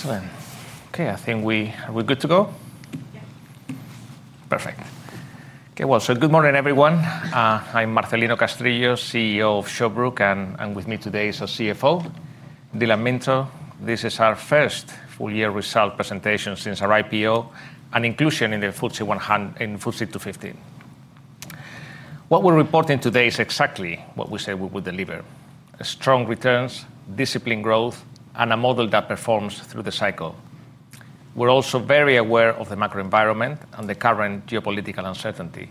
Excellent. Okay, I think. Are we good to go? Yeah. Perfect. Okay. Well, so good morning, everyone. I'm Marcelino Castrillo, CEO of Shawbrook, and with me today is our CFO, Dylan Minto. This is our first full year result presentation since our IPO and inclusion in the FTSE 250. What we're reporting today is exactly what we said we would deliver. Strong returns, disciplined growth, and a model that performs through the cycle. We're also very aware of the macro environment and the current geopolitical uncertainty.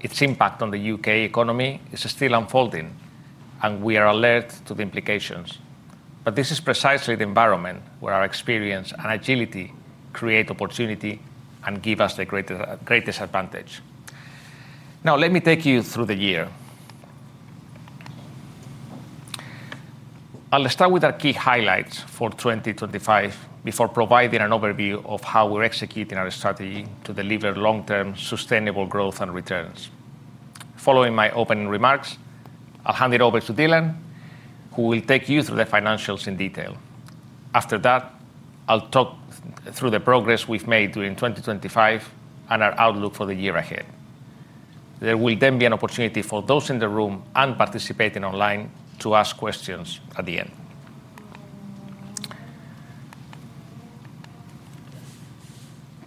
Its impact on the U.K. economy is still unfolding, and we are alert to the implications. This is precisely the environment where our experience and agility create opportunity and give us the greater, greatest advantage. Now, let me take you through the year. I'll start with our key highlights for 2025 before providing an overview of how we're executing our strategy to deliver long-term sustainable growth and returns. Following my opening remarks, I'll hand it over to Dylan, who will take you through the financials in detail. After that, I'll talk through the progress we've made during 2025 and our outlook for the year ahead. There will then be an opportunity for those in the room and participating online to ask questions at the end.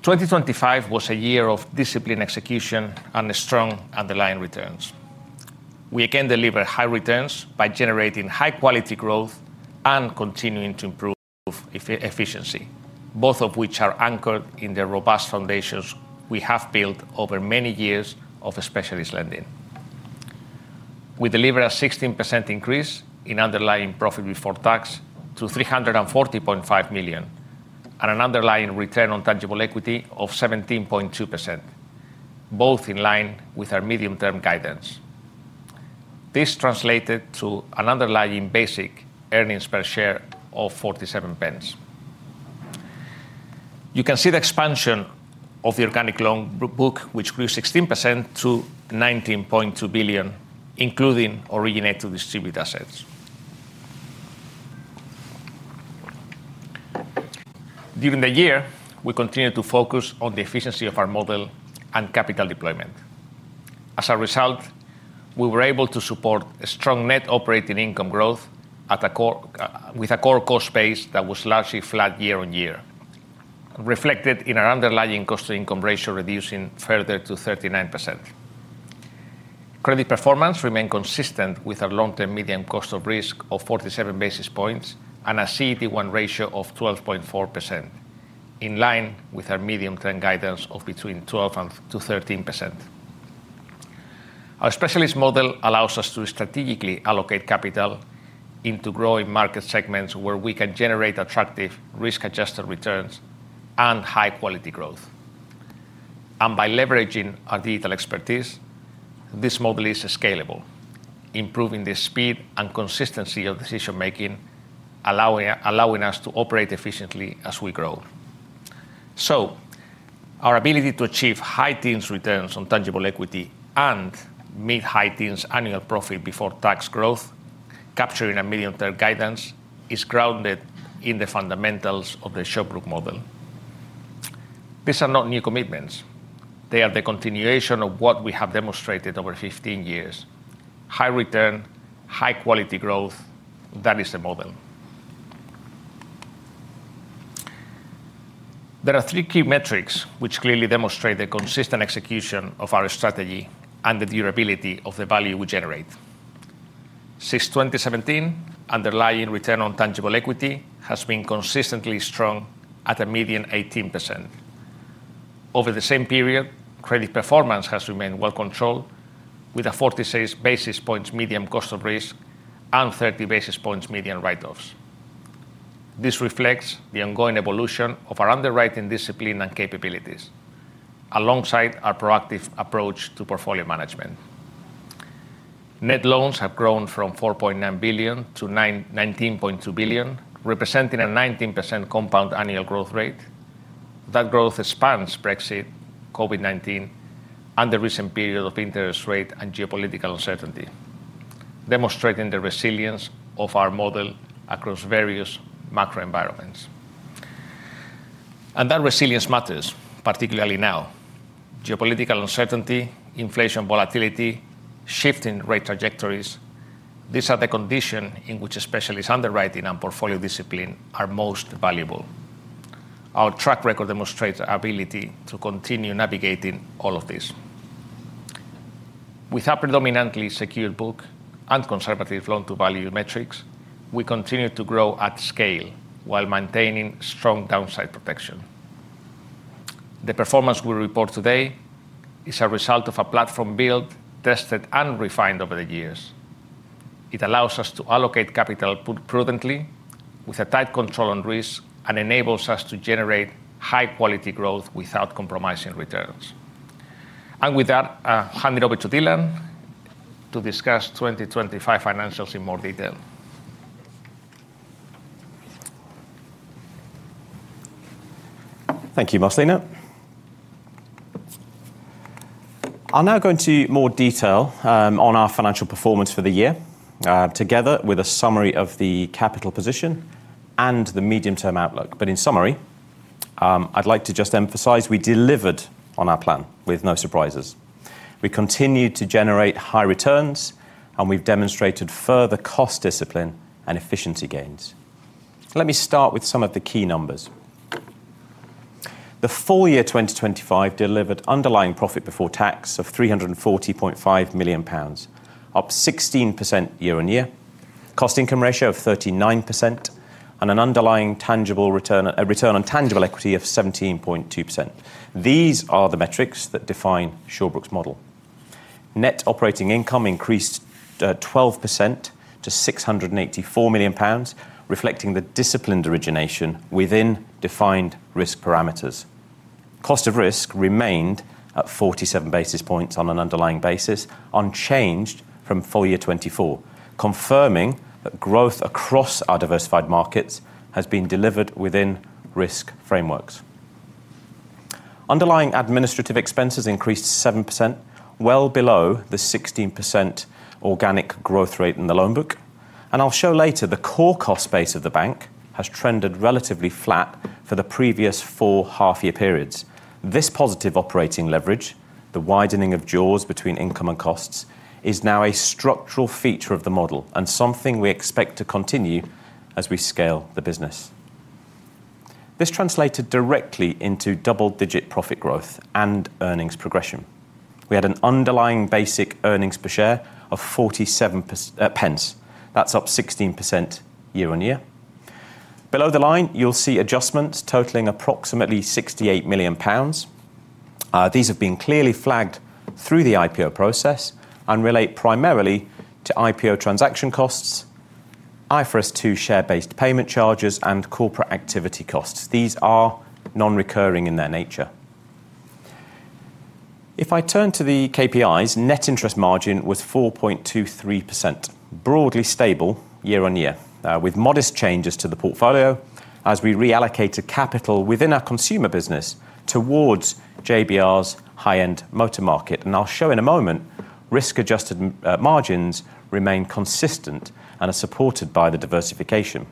2025 was a year of disciplined execution and strong underlying returns. We again deliver high returns by generating high quality growth and continuing to improve efficiency, both of which are anchored in the robust foundations we have built over many years of specialist lending. We deliver a 16% increase in underlying profit before tax to 340.5 million, and an underlying return on tangible equity of 17.2%, both in line with our medium-term guidance. This translated to an underlying basic earnings per share of 0.47. You can see the expansion of the organic loan book, which grew 16% to 19.2 billion, including originate to distribute assets. During the year, we continued to focus on the efficiency of our model and capital deployment. As a result, we were able to support a strong net operating income growth with a core cost base that was largely flat year-on-year, reflected in our underlying cost to income ratio reducing further to 39%. Credit performance remained consistent with our long-term medium cost of risk of 47 basis points and a CET1 ratio of 12.4%, in line with our medium-term guidance of between 12% and 13%. Our specialist model allows us to strategically allocate capital into growing market segments where we can generate attractive risk-adjusted returns and high-quality growth. By leveraging our digital expertise, this model is scalable, improving the speed and consistency of decision-making, allowing us to operate efficiently as we grow. Our ability to achieve high teens returns on tangible equity and meet high teens annual profit before tax growth, capturing our medium-term guidance, is grounded in the fundamentals of the Shawbrook model. These are not new commitments. They are the continuation of what we have demonstrated over 15 years. High return, high quality growth. That is the model. There are three key metrics which clearly demonstrate the consistent execution of our strategy and the durability of the value we generate. Since 2017, underlying return on tangible equity has been consistently strong at a median 18%. Over the same period, credit performance has remained well controlled, with a 46 basis points median cost of risk and 30 basis points median write-offs. This reflects the ongoing evolution of our underwriting discipline and capabilities, alongside our proactive approach to portfolio management. Net loans have grown from 4.9 billion to 19.2 billion, representing a 19% compound annual growth rate. That growth spans Brexit, COVID-19, and the recent period of interest rate and geopolitical uncertainty, demonstrating the resilience of our model across various macro environments. That resilience matters, particularly now. Geopolitical uncertainty, inflation volatility, shift in rate trajectories, these are the conditions in which specialist underwriting and portfolio discipline are most valuable. Our track record demonstrates our ability to continue navigating all of this. With our predominantly secured book and conservative loan to value metrics, we continue to grow at scale while maintaining strong downside protection. The performance we report today is a result of a platform built, tested, and refined over the years. It allows us to allocate capital prudently with a tight control on risk and enables us to generate high quality growth without compromising returns. With that, I'll hand it over to Dylan to discuss 2025 financials in more detail. Thank you, Marcelino.I'll now go into more detail on our financial performance for the year, together with a summary of the capital position and the medium-term outlook. In summary, I'd like to just emphasize we delivered on our plan with no surprises. We continued to generate high returns, and we've demonstrated further cost discipline and efficiency gains. Let me start with some of the key numbers. The full year 2025 delivered underlying profit before tax of 340.5 million pounds, up 16% year-on-year, cost income ratio of 39% and an underlying tangible return, a return on tangible equity of 17.2%. These are the metrics that define Shawbrook's model. Net operating income increased 12% to 684 million pounds, reflecting the disciplined origination within defined risk parameters. Cost of risk remained at 47 basis points on an underlying basis, unchanged from full year 2024, confirming that growth across our diversified markets has been delivered within risk frameworks. Underlying administrative expenses increased 7%, well below the 16% organic growth rate in the loan book. I'll show later, the core cost base of the bank has trended relatively flat for the previous four half-year periods. This positive operating leverage, the widening of jaws between income and costs, is now a structural feature of the model and something we expect to continue as we scale the business. This translated directly into double-digit profit growth and earnings progression. We had an underlying basic earnings per share of 0.47. That's up 16% year-on-year. Below the line, you'll see adjustments totaling approximately 68 million pounds. These have been clearly flagged through the IPO process and relate primarily to IPO transaction costs, IFRS 2 share-based payment charges, and corporate activity costs. These are non-recurring in their nature. If I turn to the KPIs, net interest margin was 4.23%, broadly stable year-on-year, with modest changes to the portfolio as we reallocated capital within our consumer business towards JBR's high-end motor market. I'll show in a moment, risk-adjusted margins remain consistent and are supported by the diversification.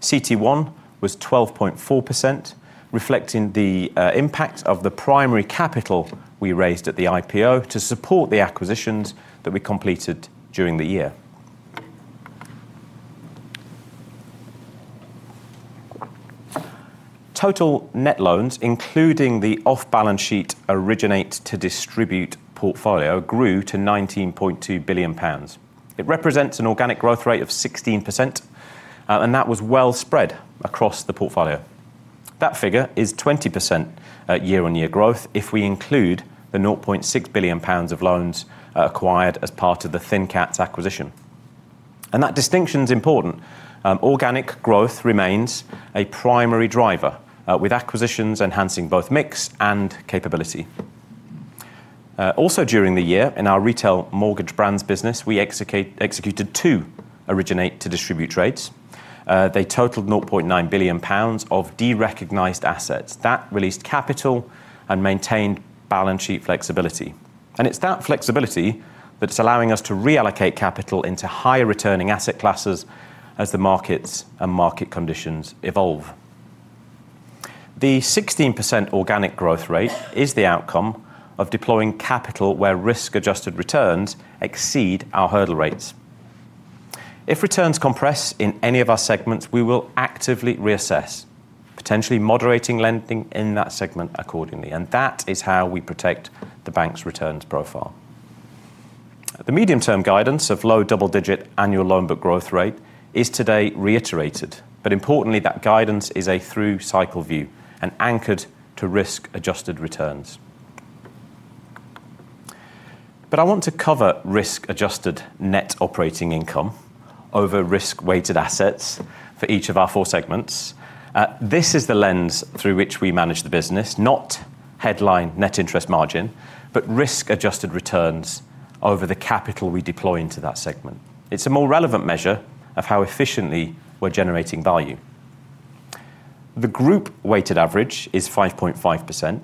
CET1 was 12.4%, reflecting the impact of the primary capital we raised at the IPO to support the acquisitions that we completed during the year. Total net loans, including the off-balance sheet originate to distribute portfolio, grew to 19.2 billion pounds. It represents an organic growth rate of 16%, and that was well spread across the portfolio. That figure is 20% year-on-year growth if we include the 0.6 billion pounds of loans acquired as part of the ThinCats acquisition. That distinction is important. Organic growth remains a primary driver, with acquisitions enhancing both mix and capability. Also during the year in our Retail Mortgage Brands business, we executed two originate to distribute trades. They totaled 0.9 billion pounds of derecognized assets. That released capital and maintained balance sheet flexibility. It's that flexibility that's allowing us to reallocate capital into higher returning asset classes as the markets and market conditions evolve. The 16% organic growth rate is the outcome of deploying capital where risk-adjusted returns exceed our hurdle rates. If returns compress in any of our segments, we will actively reassess, potentially moderating lending in that segment accordingly. That is how we protect the bank's returns profile. The medium-term guidance of low double-digit annual loan book growth rate is today reiterated, but importantly, that guidance is a through cycle view and anchored to risk-adjusted returns. I want to cover risk-adjusted net operating income over risk-weighted assets for each of our four segments. This is the lens through which we manage the business, not headline net interest margin, but risk-adjusted returns over the capital we deploy into that segment. It's a more relevant measure of how efficiently we're generating value. The group weighted average is 5.5%,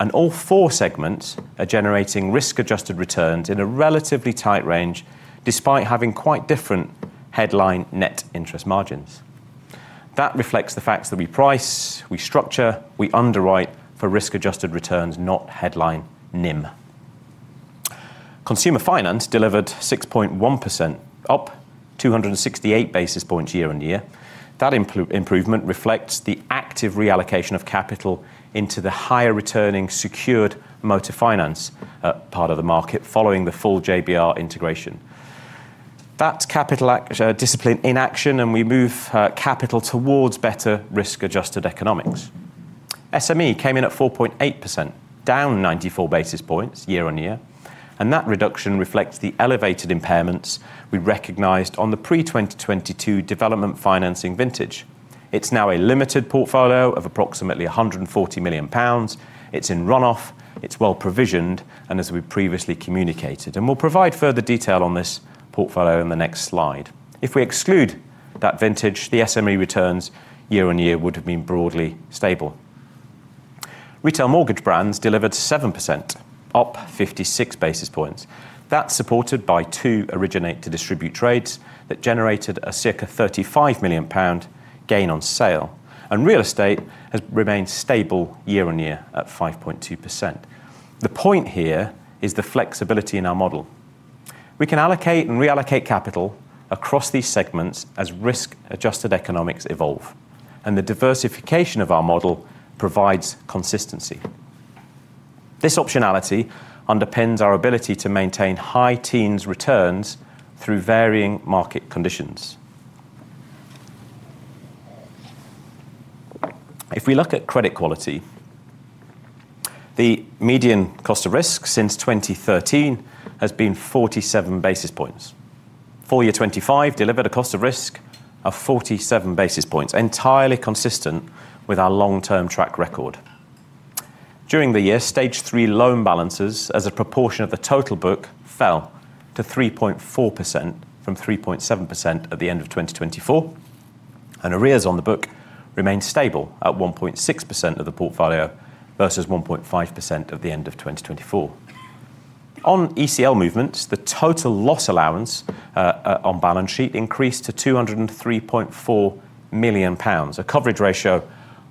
and all four segments are generating risk-adjusted returns in a relatively tight range despite having quite different headline net interest margins. That reflects the fact that we price, we structure, we underwrite for risk-adjusted returns, not headline NIM. Consumer Finance delivered 6.1%, up 268 basis points year-on-year. That improvement reflects the active reallocation of capital into the higher returning secured motor finance part of the market following the full JBR integration. That's capital discipline in action, and we move capital towards better risk-adjusted economics. SME came in at 4.8%, down 94 basis points year-on-year, and that reduction reflects the elevated impairments we recognized on the pre-2022 Development Finance vintage. It's now a limited portfolio of approximately 140 million pounds. It's in run-off, it's well provisioned, and as we previously communicated. We'll provide further detail on this portfolio in the next slide. If we exclude that vintage, the SME returns year-on-year would have been broadly stable. Retail Mortgage Brands delivered 7%, up 56 basis points. That's supported by two originate to distribute trades that generated a circa 35 million pound gain on sale. Real Estate has remained stable year-on-year at 5.2%. The point here is the flexibility in our model. We can allocate and reallocate capital across these segments as risk adjusted economics evolve, and the diversification of our model provides consistency. This optionality underpins our ability to maintain high teens returns through varying market conditions. If we look at credit quality, the median cost of risk since 2013 has been 47 basis points. Full year 2025 delivered a cost of risk of 47 basis points, entirely consistent with our long-term track record. During the year, stage three loan balances as a proportion of the total book fell to 3.4% from 3.7% at the end of 2024. Arrears on the book remained stable at 1.6% of the portfolio versus 1.5% at the end of 2024. On ECL movements, the total loss allowance on balance sheet increased to 203.4 million pounds, a coverage ratio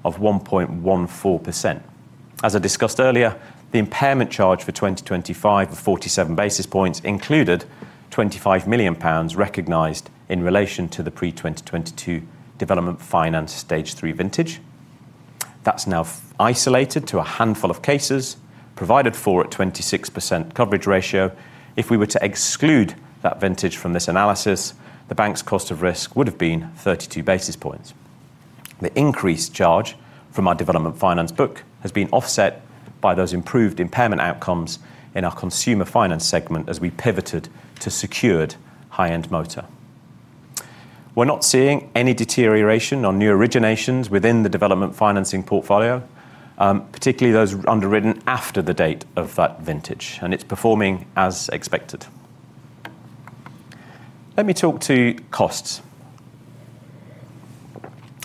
of 1.14%. As I discussed earlier, the impairment charge for 2025 of 47 basis points included 25 million pounds recognized in relation to the pre-2022 Development Finance stage three vintage. That's now isolated to a handful of cases, provided for at 26% coverage ratio. If we were to exclude that vintage from this analysis, the bank's cost of risk would have been 32 basis points. The increased charge from our Development Finance book has been offset by those improved impairment outcomes in our Consumer Finance segment as we pivoted to secured high-end motor. We're not seeing any deterioration on new originations within the development financing portfolio, particularly those underwritten after the date of that vintage, and it's performing as expected. Let me talk to costs.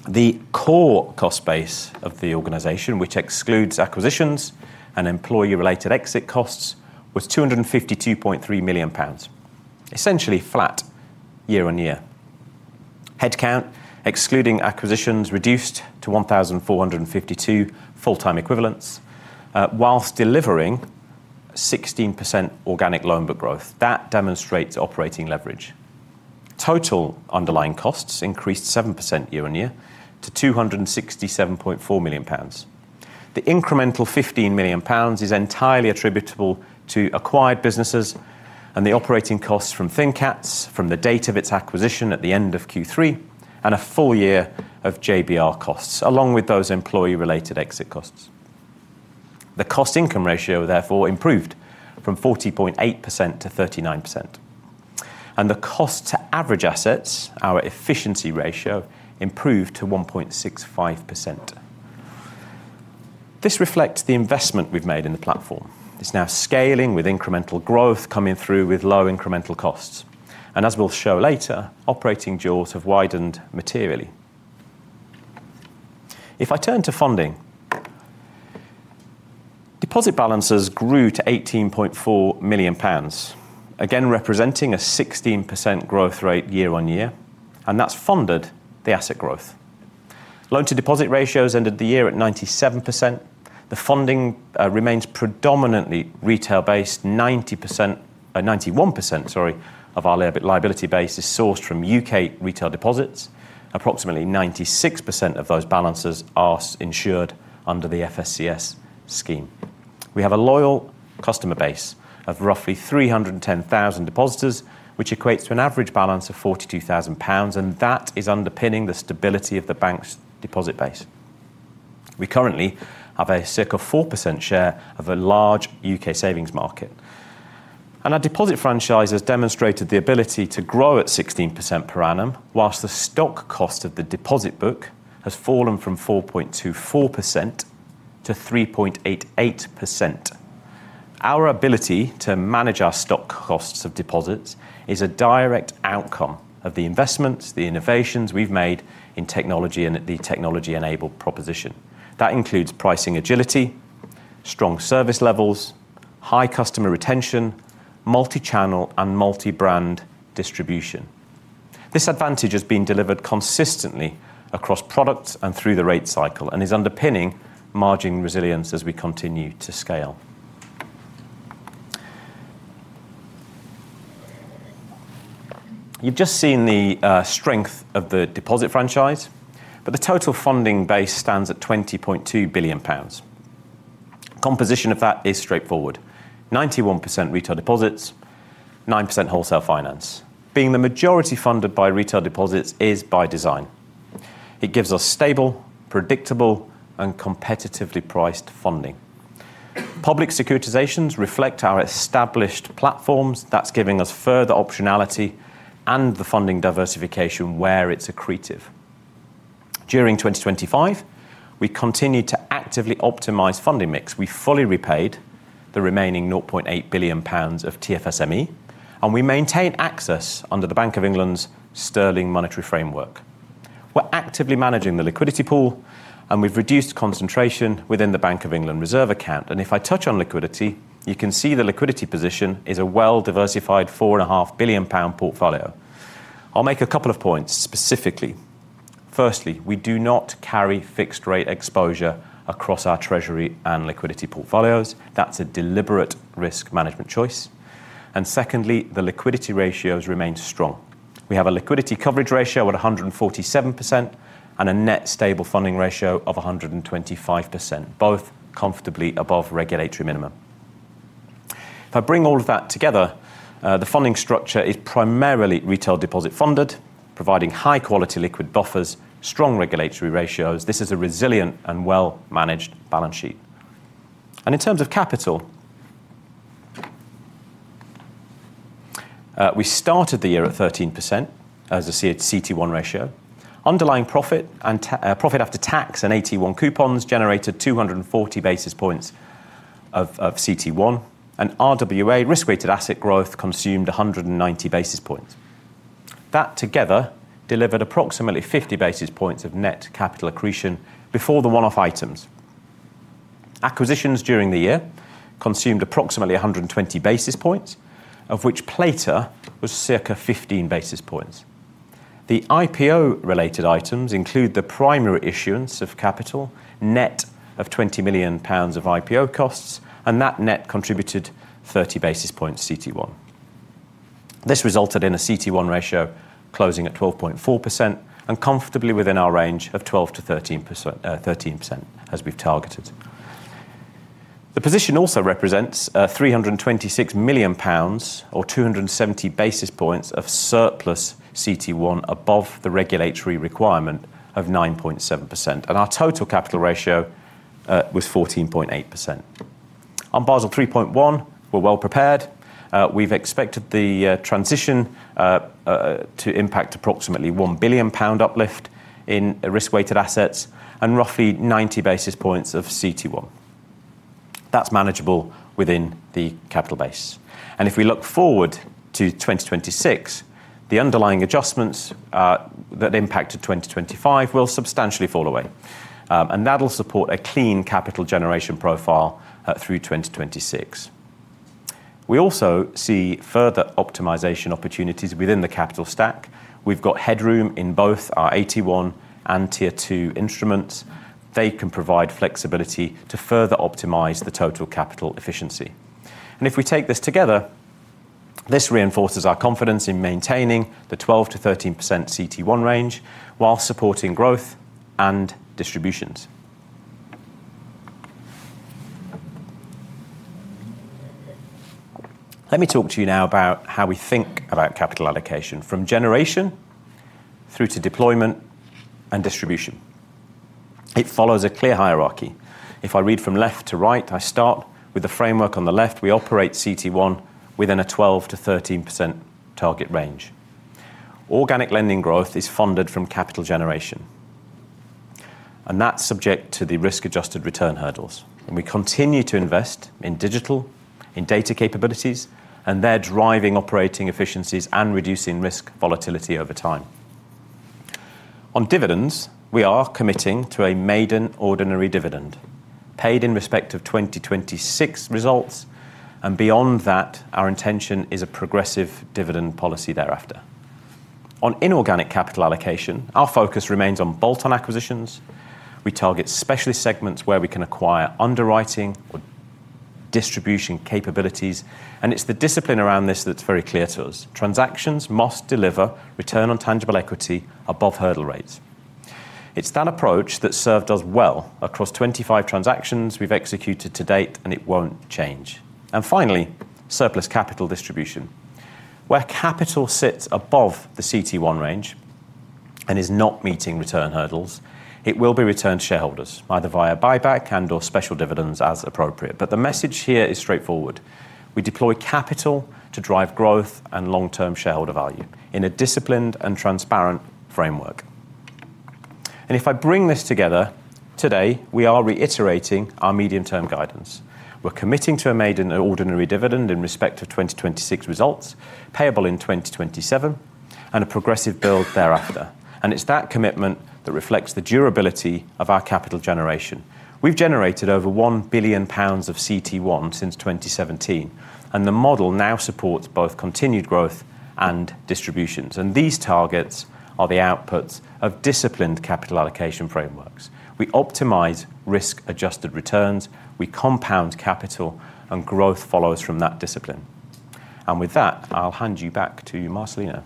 The core cost base of the organization, which excludes acquisitions and employee-related exit costs, was 252.3 million pounds, essentially flat year-on-year. Headcount, excluding acquisitions, reduced to 1,452 full-time equivalents, while delivering 16% organic loan book growth. That demonstrates operating leverage. Total underlying costs increased 7% year-on-year to 267.4 million pounds. The incremental 15 million pounds is entirely attributable to acquired businesses and the operating costs from ThinCats from the date of its acquisition at the end of Q3 and a full year of JBR costs, along with those employee related exit costs. The cost income ratio therefore improved from 40.8% to 39%. The cost to average assets, our efficiency ratio, improved to 1.65%. This reflects the investment we've made in the platform. It's now scaling with incremental growth coming through with low incremental costs. As we'll show later, operating jaws have widened materially. If I turn to funding, deposit balances grew to 18.4 million pounds, again representing a 16% growth rate year-on-year, and that's funded the asset growth. Loan to deposit ratios ended the year at 97%. The funding remains predominantly retail-based. 90%, 91%, sorry, of our liability base is sourced from U.K. retail deposits. Approximately 96% of those balances are insured under the FSCS scheme. We have a loyal customer base of roughly 310,000 depositors, which equates to an average balance of 42,000 pounds, and that is underpinning the stability of the bank's deposit base. We currently have a circa 4% share of a large U.K. savings market. Our deposit franchise has demonstrated the ability to grow at 16% per annum, while the stock cost of the deposit book has fallen from 4.24% to 3.88%. Our ability to manage our stock costs of deposits is a direct outcome of the investments, the innovations we've made in technology and the technology enabled proposition. That includes pricing agility, strong service levels, high customer retention, multi-channel and multi-brand distribution. This advantage has been delivered consistently across products and through the rate cycle and is underpinning margin resilience as we continue to scale. You've just seen the strength of the deposit franchise, but the total funding base stands at 20.2 billion pounds. Composition of that is straightforward. 91% retail deposits, 9% wholesale finance. Being the majority funded by retail deposits is by design. It gives us stable, predictable and competitively priced funding. Public securitizations reflect our established platforms. That's giving us further optionality and the funding diversification where it's accretive. During 2025, we continued to actively optimize funding mix. We fully repaid the remaining 0.8 billion pounds of TFSME, and we maintained access under the Bank of England's Sterling Monetary Framework. We're actively managing the liquidity pool, and we've reduced concentration within the Bank of England reserve account. If I touch on liquidity, you can see the liquidity position is a well-diversified 4.5 billion pound portfolio. I'll make a couple of points specifically. Firstly, we do not carry fixed rate exposure across our treasury and liquidity portfolios. That's a deliberate risk management choice. Secondly, the liquidity ratios remain strong. We have a liquidity coverage ratio at 147% and a net stable funding ratio of 125%, both comfortably above regulatory minimum. If I bring all of that together, the funding structure is primarily retail deposit funded, providing high-quality liquid buffers, strong regulatory ratios. This is a resilient and well-managed balance sheet. In terms of capital, we started the year at 13% as a CET1 ratio. Underlying profit after tax and AT1 coupons generated 240 basis points of CET1, and RWA risk-weighted asset growth consumed 190 basis points. That together delivered approximately 50 basis points of net capital accretion before the one-off items. Acquisitions during the year consumed approximately 120 basis points, of which Playter was circa 15 basis points. The IPO-related items include the primary issuance of capital, net of 20 million pounds of IPO costs, and that net contributed 30 basis points CET1. This resulted in a CET1 ratio closing at 12.4% and comfortably within our range of 12%-13% as we've targeted. The position also represents 326 million pounds or 270 basis points of surplus CET1 above the regulatory requirement of 9.7%. Our total capital ratio was 14.8%. On Basel 3.1, we're well prepared. We've expected the transition to impact approximately 1 billion pound uplift in risk-weighted assets and roughly 90 basis points of CET1. That's manageable within the capital base. If we look forward to 2026, the underlying adjustments that impacted 2025 will substantially fall away. That'll support a clean capital generation profile through 2026. We also see further optimization opportunities within the capital stack. We've got headroom in both our AT1 and Tier 2 instruments. They can provide flexibility to further optimize the total capital efficiency. If we take this together, this reinforces our confidence in maintaining the 12%-13% CET1 range while supporting growth and distributions. Let me talk to you now about how we think about capital allocation from generation through to deployment and distribution. It follows a clear hierarchy. If I read from left to right, I start with the framework on the left. We operate CET1 within a 12%-13% target range. Organic lending growth is funded from capital generation, and that's subject to the risk-adjusted return hurdles. We continue to invest in digital, in data capabilities, and they're driving operating efficiencies and reducing risk volatility over time. On dividends, we are committing to a maiden ordinary dividend paid in respect of 2026 results, and beyond that, our intention is a progressive dividend policy thereafter. On inorganic capital allocation, our focus remains on bolt-on acquisitions. We target specialist segments where we can acquire underwriting or distribution capabilities, and it's the discipline around this that's very clear to us. Transactions must deliver return on tangible equity above hurdle rates. It's that approach that served us well across 25 transactions we've executed to date, and it won't change. Finally, surplus capital distribution. Where capital sits above the CET1 range and is not meeting return hurdles, it will be returned to shareholders either via buyback and/or special dividends as appropriate. The message here is straightforward. We deploy capital to drive growth and long-term shareholder value in a disciplined and transparent framework. If I bring this together today, we are reiterating our medium-term guidance. We're committing to a maiden ordinary dividend in respect of 2026 results payable in 2027 and a progressive build thereafter. It's that commitment that reflects the durability of our capital generation. We've generated over 1 billion pounds of CET1 since 2017, and the model now supports both continued growth and distributions. These targets are the outputs of disciplined capital allocation frameworks. We optimize risk-adjusted returns, we compound capital, and growth follows from that discipline. With that, I'll hand you back to Marcelino.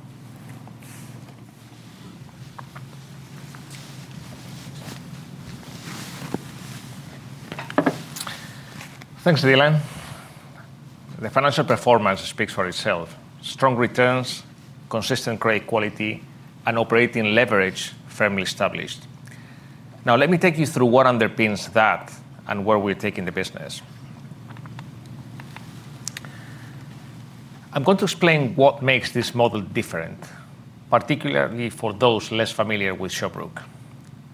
Thanks, Dylan. The financial performance speaks for itself. Strong returns, consistent great quality, and operating leverage firmly established. Now let me take you through what underpins that and where we're taking the business. I'm going to explain what makes this model different, particularly for those less familiar with Shawbrook.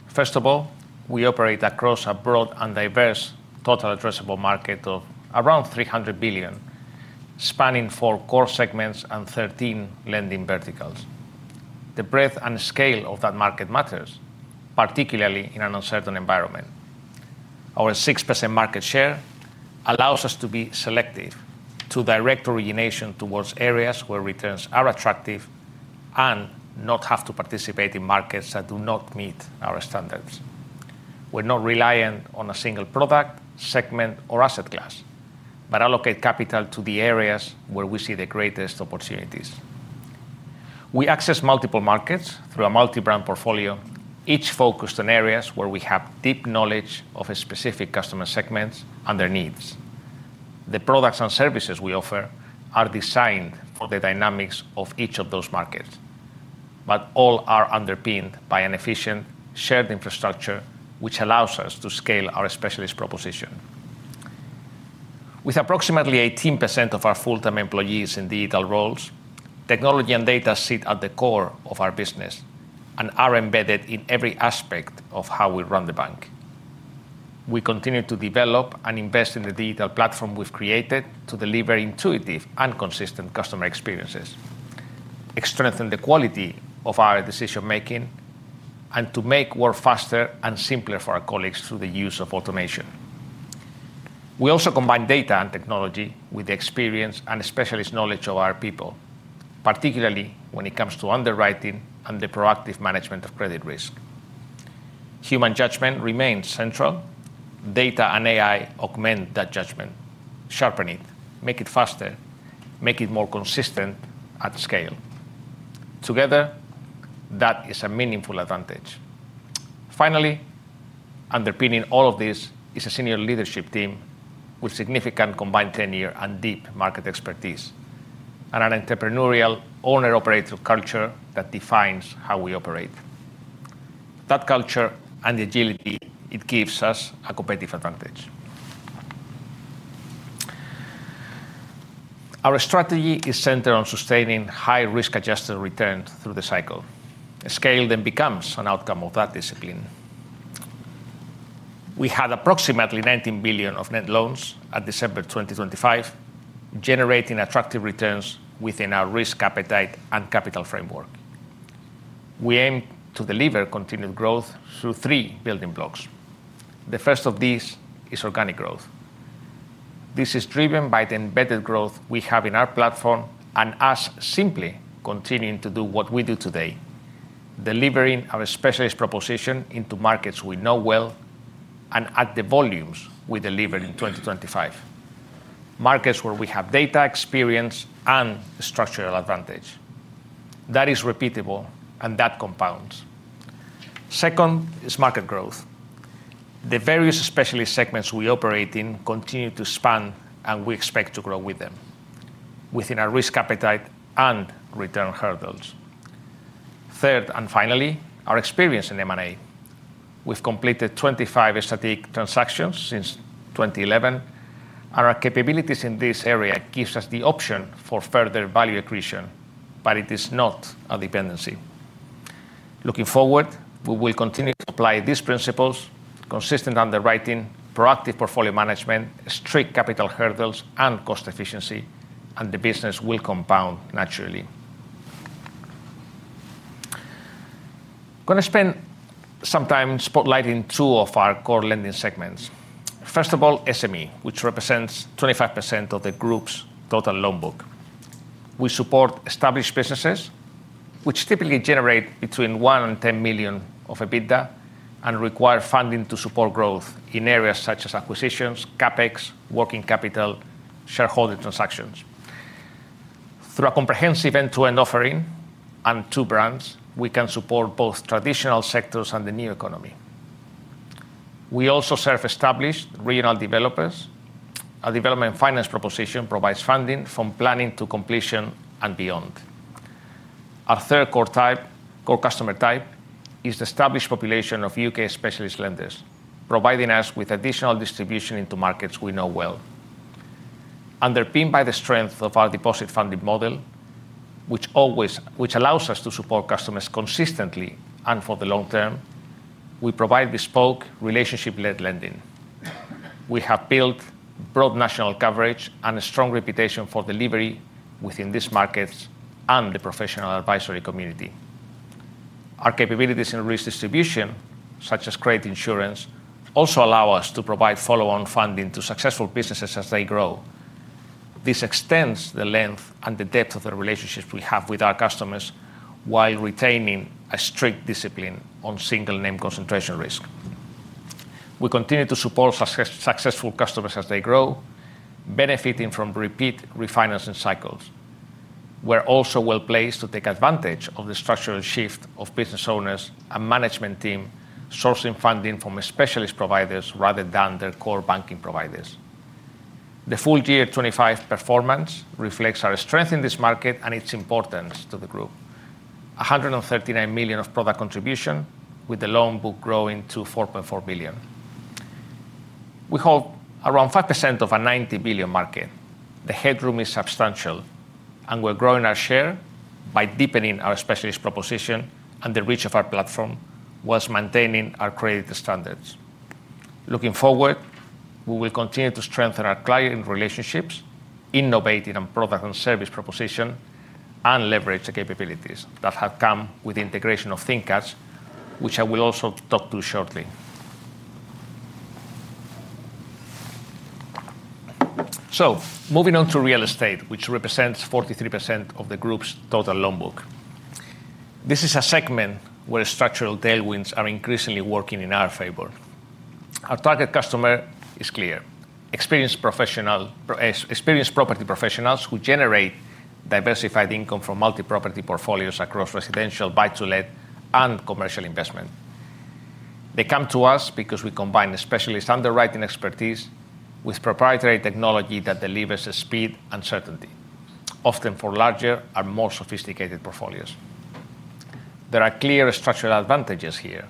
First of all, we operate across a broad and diverse total addressable market of around 300 billion, spanning four core segments and 13 lending verticals. The breadth and scale of that market matters, particularly in an uncertain environment. Our 6% market share allows us to be selective, to direct origination towards areas where returns are attractive and not have to participate in markets that do not meet our standards. We're not reliant on a single product, segment or asset class, but allocate capital to the areas where we see the greatest opportunities. We access multiple markets through a multi-brand portfolio, each focused on areas where we have deep knowledge of specific customer segments and their needs. The products and services we offer are designed for the dynamics of each of those markets, but all are underpinned by an efficient shared infrastructure, which allows us to scale our specialist proposition. With approximately 18% of our full-time employees in digital roles, technology and data sit at the core of our business and are embedded in every aspect of how we run the bank. We continue to develop and invest in the digital platform we've created to deliver intuitive and consistent customer experiences, strengthen the quality of our decision-making, and to make work faster and simpler for our colleagues through the use of automation. We also combine data and technology with the experience and specialist knowledge of our people, particularly when it comes to underwriting and the proactive management of credit risk. Human judgment remains central. Data and AI augment that judgment, sharpen it, make it faster, make it more consistent at scale. Together, that is a meaningful advantage. Finally, underpinning all of this is a senior leadership team with significant combined tenure and deep market expertise, and an entrepreneurial owner operator culture that defines how we operate. That culture and agility, it gives us a competitive advantage. Our strategy is centered on sustaining high risk-adjusted returns through the cycle. Scale then becomes an outcome of that discipline. We had approximately 19 billion of net loans at December 2025, generating attractive returns within our risk appetite and capital framework. We aim to deliver continued growth through three building blocks. The first of these is organic growth. This is driven by the embedded growth we have in our platform and us simply continuing to do what we do today, delivering our specialist proposition into markets we know well and at the volumes we delivered in 2025, markets where we have data experience and structural advantage. That is repeatable and that compounds. Second is market growth. The various specialist segments we operate in continue to expand, and we expect to grow with them within our risk appetite and return hurdles. Third, and finally, our experience in M&A. We've completed 25 strategic transactions since 2011, and our capabilities in this area gives us the option for further value accretion, but it is not a dependency. Looking forward, we will continue to apply these principles, consistent underwriting, proactive portfolio management, strict capital hurdles and cost efficiency, and the business will compound naturally. Gonna spend some time spotlighting two of our core lending segments. First of all, SME, which represents 25% of the group's total loan book. We support established businesses which typically generate between one and 10 million of EBITDA and require funding to support growth in areas such as acquisitions, CapEx, working capital, shareholder transactions. Through a comprehensive end-to-end offering and two brands, we can support both traditional sectors and the new economy. We also serve established regional developers. Our Development Finance proposition provides funding from planning to completion and beyond. Our third core type, core customer type is the established population of U.K. specialist lenders, providing us with additional distribution into markets we know well. Underpinned by the strength of our deposit funding model, which allows us to support customers consistently and for the long term, we provide bespoke relationship-led lending. We have built broad national coverage and a strong reputation for delivery within these markets and the professional advisory community. Our capabilities in risk distribution, such as credit insurance, also allow us to provide follow-on funding to successful businesses as they grow. This extends the length and the depth of the relationships we have with our customers while retaining a strict discipline on single name concentration risk. We continue to support successful customers as they grow, benefiting from repeat refinancing cycles. We're also well placed to take advantage of the structural shift of business owners and management team sourcing funding from specialist providers rather than their core banking providers. The full year 2025 performance reflects our strength in this market and its importance to the group. 139 million of product contribution with the loan book growing to 4.4 billion. We hold around 5% of a 90 billion market. The headroom is substantial, and we're growing our share by deepening our specialist proposition and the reach of our platform while maintaining our credit standards. Looking forward, we will continue to strengthen our client relationships, innovate in our product and service proposition, and leverage the capabilities that have come with the integration of ThinCats, which I will also talk to shortly. Moving on to Real Estate, which represents 43% of the group's total loan book. This is a segment where structural tailwinds are increasingly working in our favor. Our target customer is clear. Experienced property professionals who generate diversified income from multi-property portfolios across residential, Buy-to-let, and commercial investment. They come to us because we combine specialist underwriting expertise with proprietary technology that delivers speed and certainty, often for larger and more sophisticated portfolios. There are clear structural advantages here,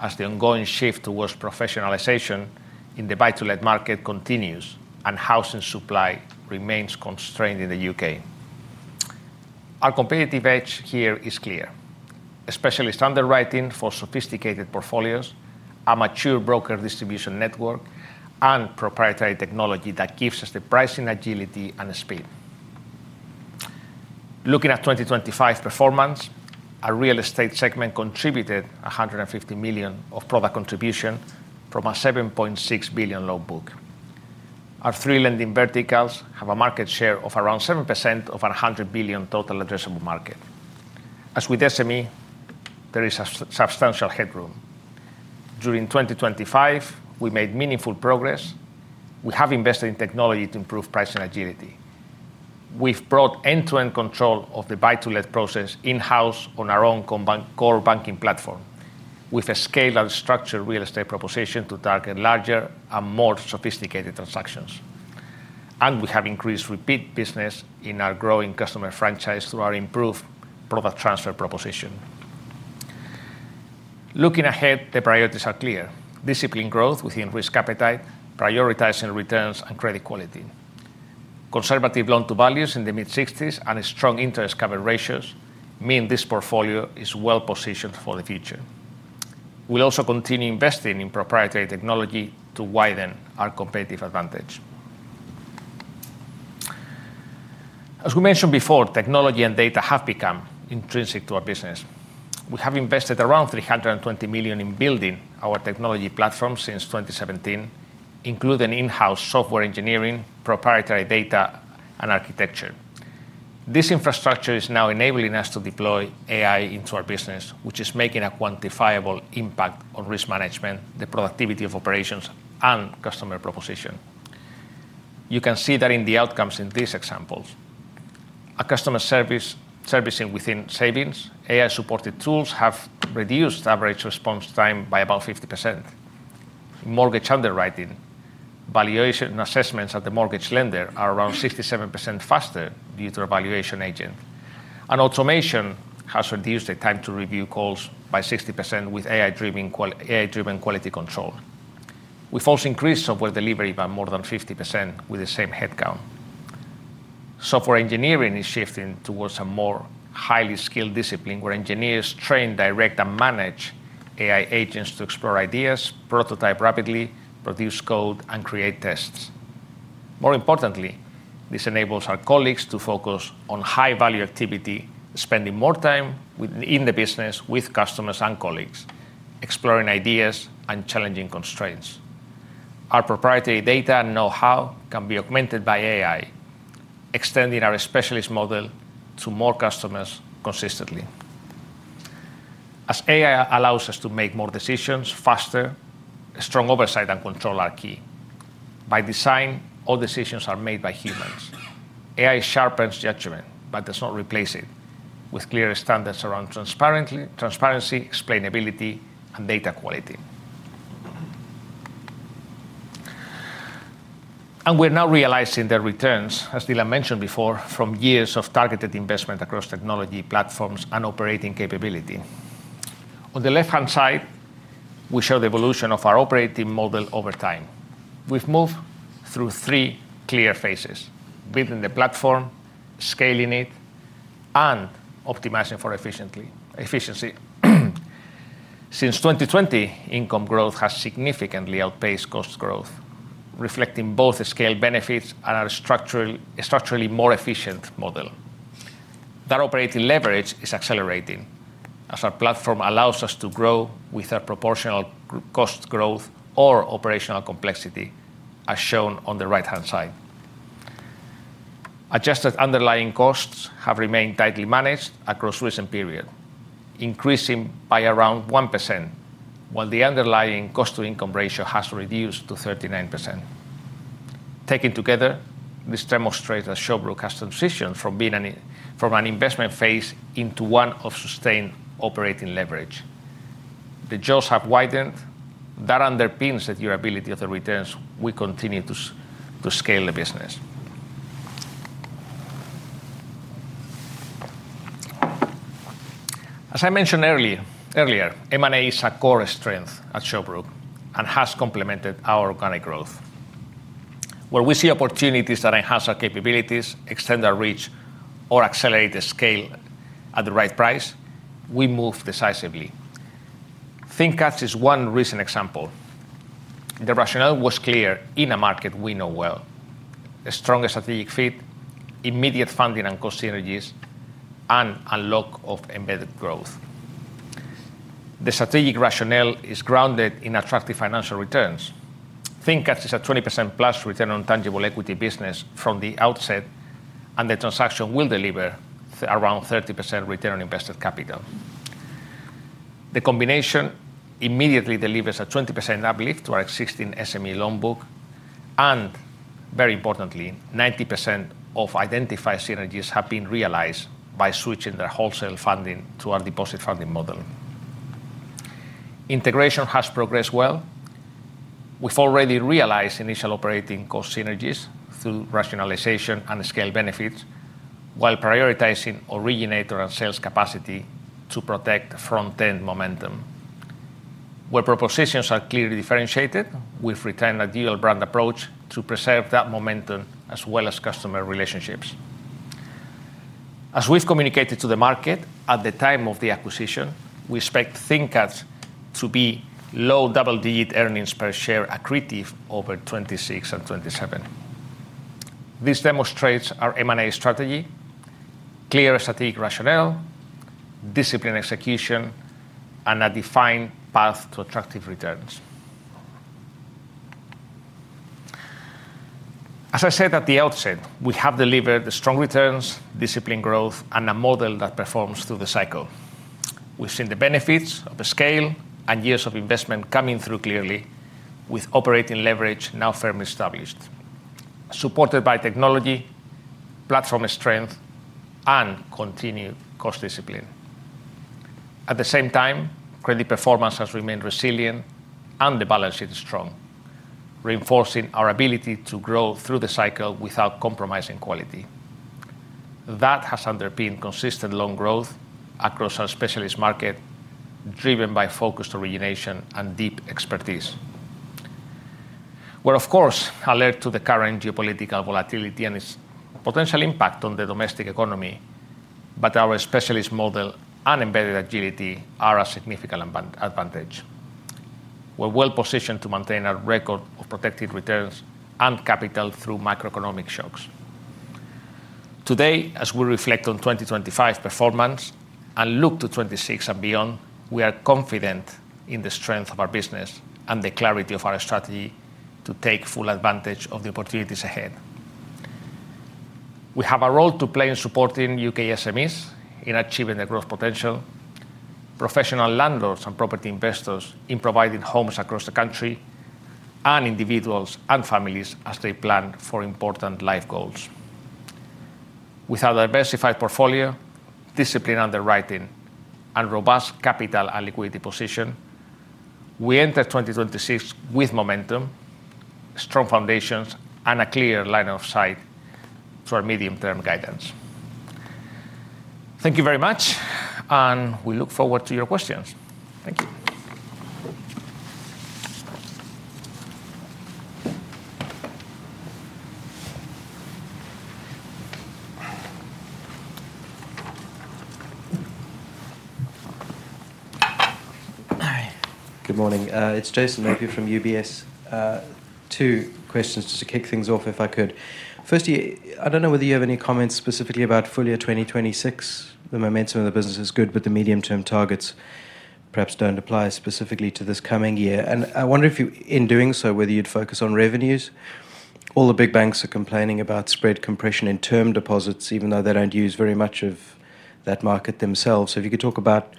as the ongoing shift towards professionalization in the Buy-to-let market continues and housing supply remains constrained in the U.K. Our competitive edge here is clear. Specialist underwriting for sophisticated portfolios, a mature broker distribution network, and proprietary technology that gives us the pricing agility and speed. Looking at 2025 performance, our Real Estate segment contributed 150 million of product contribution from a 7.6 billion loan book. Our three lending verticals have a market share of around 7% of a 100 billion total addressable market. As with SME, there is substantial headroom. During 2025, we made meaningful progress. We have invested in technology to improve pricing agility. We've brought end-to-end control of the Buy-to-let process in-house on our own core banking platform, with a scaled and structured real estate proposition to target larger and more sophisticated transactions. We have increased repeat business in our growing customer franchise through our improved product transfer proposition. Looking ahead, the priorities are clear. Disciplined growth within risk appetite, prioritizing returns, and credit quality. Conservative loan-to-values in the mid-sixties and strong interest cover ratios mean this portfolio is well-positioned for the future. We'll also continue investing in proprietary technology to widen our competitive advantage. As we mentioned before, technology and data have become intrinsic to our business. We have invested around 320 million in building our technology platform since 2017, including in-house software engineering, proprietary data, and architecture. This infrastructure is now enabling us to deploy AI into our business, which is making a quantifiable impact on risk management, the productivity of operations, and customer proposition. You can see that in the outcomes in these examples. At customer service, servicing within savings, AI-supported tools have reduced average response time by about 50%. Mortgage underwriting, valuation assessments at the mortgage lender are around 67% faster due to our valuation agent. Automation has reduced the time to review calls by 60% with AI-driven quality control. We've also increased software delivery by more than 50% with the same headcount. Software engineering is shifting towards a more highly skilled discipline where engineers train, direct, and manage AI agents to explore ideas, prototype rapidly, produce code, and create tests. More importantly, this enables our colleagues to focus on high-value activity, spending more time in the business with customers and colleagues, exploring ideas and challenging constraints. Our proprietary data and know-how can be augmented by AI, extending our specialist model to more customers consistently. As AI allows us to make more decisions faster, strong oversight and control are key. By design, all decisions are made by humans. AI sharpens judgment, but does not replace it, with clear standards around transparency, explainability, and data quality. We're now realizing the returns, as Dylan mentioned before, from years of targeted investment across technology platforms and operating capability. On the left-hand side, we show the evolution of our operating model over time. We've moved through three clear phases, building the platform, scaling it, and optimizing for efficiency. Since 2020, income growth has significantly outpaced cost growth, reflecting both the scale benefits and our structurally more efficient model. That operating leverage is accelerating as our platform allows us to grow without proportional cost growth or operational complexity, as shown on the right-hand side. Adjusted underlying costs have remained tightly managed across recent period, increasing by around 1%, while the underlying cost-to-income ratio has reduced to 39%. Taken together, this demonstrates a shareholder transition from an investment phase into one of sustained operating leverage. The jaws have widened. That underpins the durability of the returns we continue to scale the business. As I mentioned earlier, M&A is a core strength at Shawbrook and has complemented our organic growth. Where we see opportunities that enhance our capabilities, extend our reach, or accelerate the scale at the right price, we move decisively. ThinCats is one recent example. The rationale was clear in a market we know well. A strong strategic fit, immediate funding and cost synergies, and a lot of embedded growth. The strategic rationale is grounded in attractive financial returns. ThinCats is a 20%+ return on tangible equity business from the outset, and the transaction will deliver around 30% return on invested capital. The combination immediately delivers a 20% uplift to our existing SME loan book, and very importantly, 90% of identified synergies have been realized by switching their wholesale funding to our deposit funding model. Integration has progressed well. We've already realized initial operating cost synergies through rationalization and scale benefits while prioritizing originator and sales capacity to protect front-end momentum. Where propositions are clearly differentiated, we've retained ideal brand approach to preserve that momentum as well as customer relationships. As we've communicated to the market at the time of the acquisition, we expect ThinCats to be low double-digit earnings per share accretive over 2026 and 2027. This demonstrates our M&A strategy, clear strategic rationale, disciplined execution, and a defined path to attractive returns. As I said at the outset, we have delivered the strong returns, disciplined growth, and a model that performs through the cycle. We've seen the benefits of the scale and years of investment coming through clearly with operating leverage now firmly established, supported by technology, platform strength, and continued cost discipline. At the same time, credit performance has remained resilient and the balance sheet is strong, reinforcing our ability to grow through the cycle without compromising quality. That has underpinned consistent loan growth across our specialist market, driven by focused origination and deep expertise. We're of course alert to the current geopolitical volatility and its potential impact on the domestic economy, but our specialist model and embedded agility are a significant advantage. We're well-positioned to maintain our record of protected returns and capital through macroeconomic shocks. Today, as we reflect on 2025 performance and look to 2026 and beyond, we are confident in the strength of our business and the clarity of our strategy to take full advantage of the opportunities ahead. We have a role to play in supporting U.K. SMEs in achieving their growth potential, professional landlords and property investors in providing homes across the country, and individuals and families as they plan for important life goals. With our diversified portfolio, disciplined underwriting, and robust capital and liquidity position, we enter 2026 with momentum, strong foundations, and a clear line of sight to our medium-term guidance. Thank you very much, and we look forward to your questions. Thank you. All right. Good morning. It's Jason Napier from UBS. Two questions just to kick things off, if I could. Firstly, I don't know whether you have any comments specifically about full year 2026. The momentum of the business is good, but the medium-term targets perhaps don't apply specifically to this coming year. I wonder if you, in doing so, whether you'd focus on revenues. All the big banks are complaining about spread compression in term deposits, even though they don't use very much of that market themselves. If you could talk about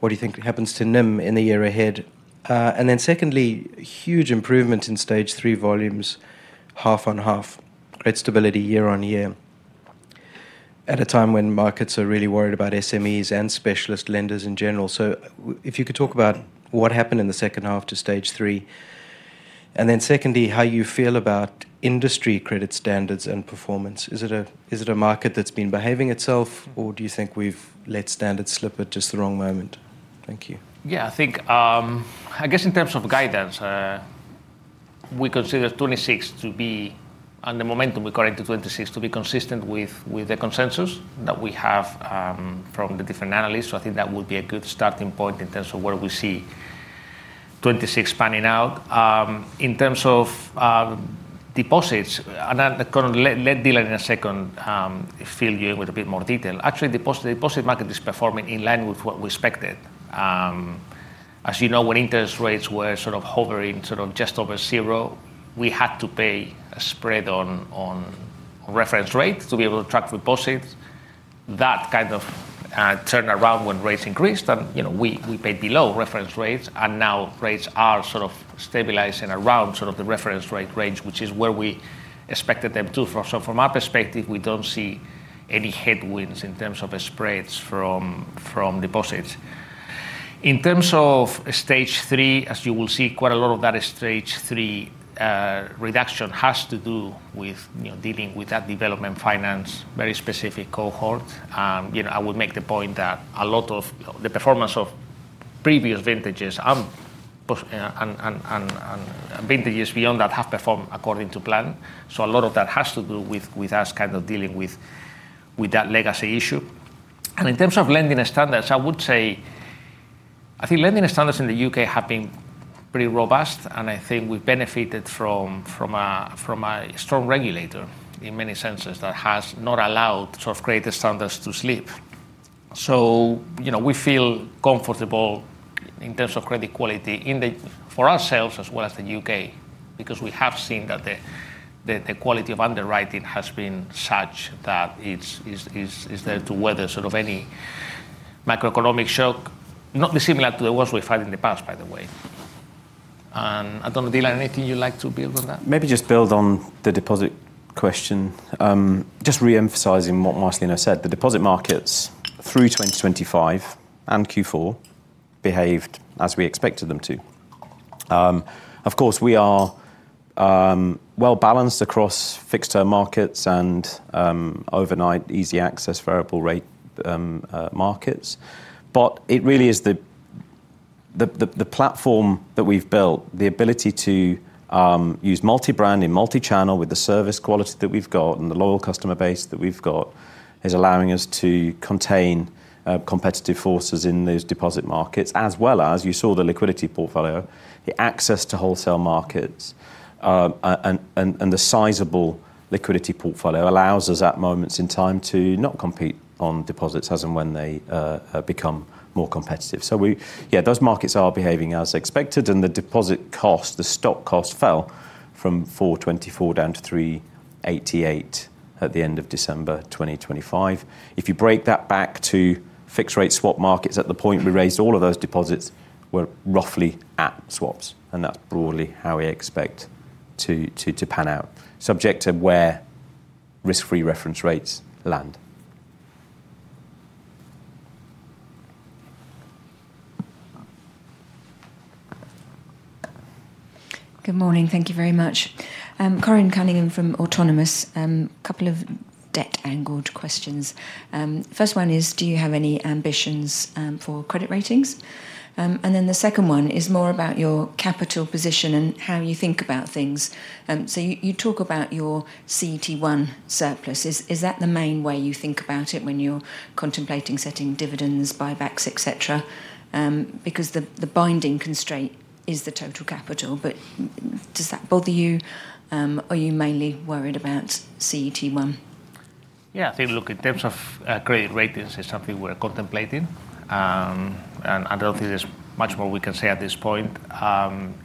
what do you think happens to NIM in the year ahead. Then secondly, huge improvement in stage three volumes, half on half, great stability year-on-year at a time when markets are really worried about SMEs and specialist lenders in general. If you could talk about what happened in the second half to stage three, and then secondly, how you feel about industry credit standards and performance. Is it a market that's been behaving itself, or do you think we've let standards slip at just the wrong moment? Thank you. Yeah, I think, I guess in terms of guidance, we consider 2026 to be, and the momentum we carry to 2026 to be consistent with the consensus that we have from the different analysts. I think that would be a good starting point in terms of where we see 2026 panning out. In terms of deposits, and then I'll let Dylan in a second fill you in with a bit more detail. Actually, the deposit market is performing in line with what we expected. As you know, when interest rates were sort of hovering just over zero, we had to pay a spread on reference rates to be able to attract deposits. That kind of turned around when rates increased and, you know, we paid below reference rates and now rates are sort of stabilizing around sort of the reference rate range, which is where we expected them to. From our perspective, we don't see any headwinds in terms of spreads from deposits. In terms of stage three, as you will see, quite a lot of that stage three reduction has to do with, you know, dealing with that Development Finance, very specific cohort. You know, I would make the point that a lot of the performance of previous vintages and vintages beyond that have performed according to plan. A lot of that has to do with us kind of dealing with that legacy issue. In terms of lending standards, I would say I think lending standards in the U.K. have been pretty robust, and I think we've benefited from a strong regulator in many senses that has not allowed sort of greater standards to slip. You know, we feel comfortable in terms of credit quality in the for ourselves as well as the U.K. because we have seen that the quality of underwriting has been such that it's there to weather sort of any macroeconomic shock, not dissimilar to the ones we've had in the past, by the way. I don't know, Dylan, anything you'd like to build on that? Maybe just build on the deposit question. Just re-emphasizing what Marcelino said, the deposit markets through 2025 and Q4 behaved as we expected them to. Of course, we are well-balanced across fixed term markets and overnight easy access variable rate markets. It really is the platform that we've built, the ability to use multi-brand and multi-channel with the service quality that we've got and the loyal customer base that we've got, is allowing us to contain competitive forces in those deposit markets as well as you saw the liquidity portfolio, the access to wholesale markets, and the sizable liquidity portfolio allows us at moments in time to not compete on deposits as and when they become more competitive. Those markets are behaving as expected, and the deposit cost, the stock cost fell from 4.24% down to 3.88% at the end of December 2025. If you break that back to fixed rate swap markets, at the point we raised all of those deposits were roughly at swaps, and that's broadly how we expect to pan out, subject to where risk-free reference rates land. Good morning. Thank you very much. Corinne Cunningham from Autonomous. Couple of debt angled questions. First one is, do you have any ambitions for credit ratings? Second one is more about your capital position and how you think about things. You talk about your CET1 surplus. Is that the main way you think about it when you're contemplating setting dividends, buybacks, et cetera? Because the binding constraint is the total capital, but does that bother you? Are you mainly worried about CET1? Yeah. I think, look, in terms of credit ratings, it's something we're contemplating. I don't think there's much more we can say at this point.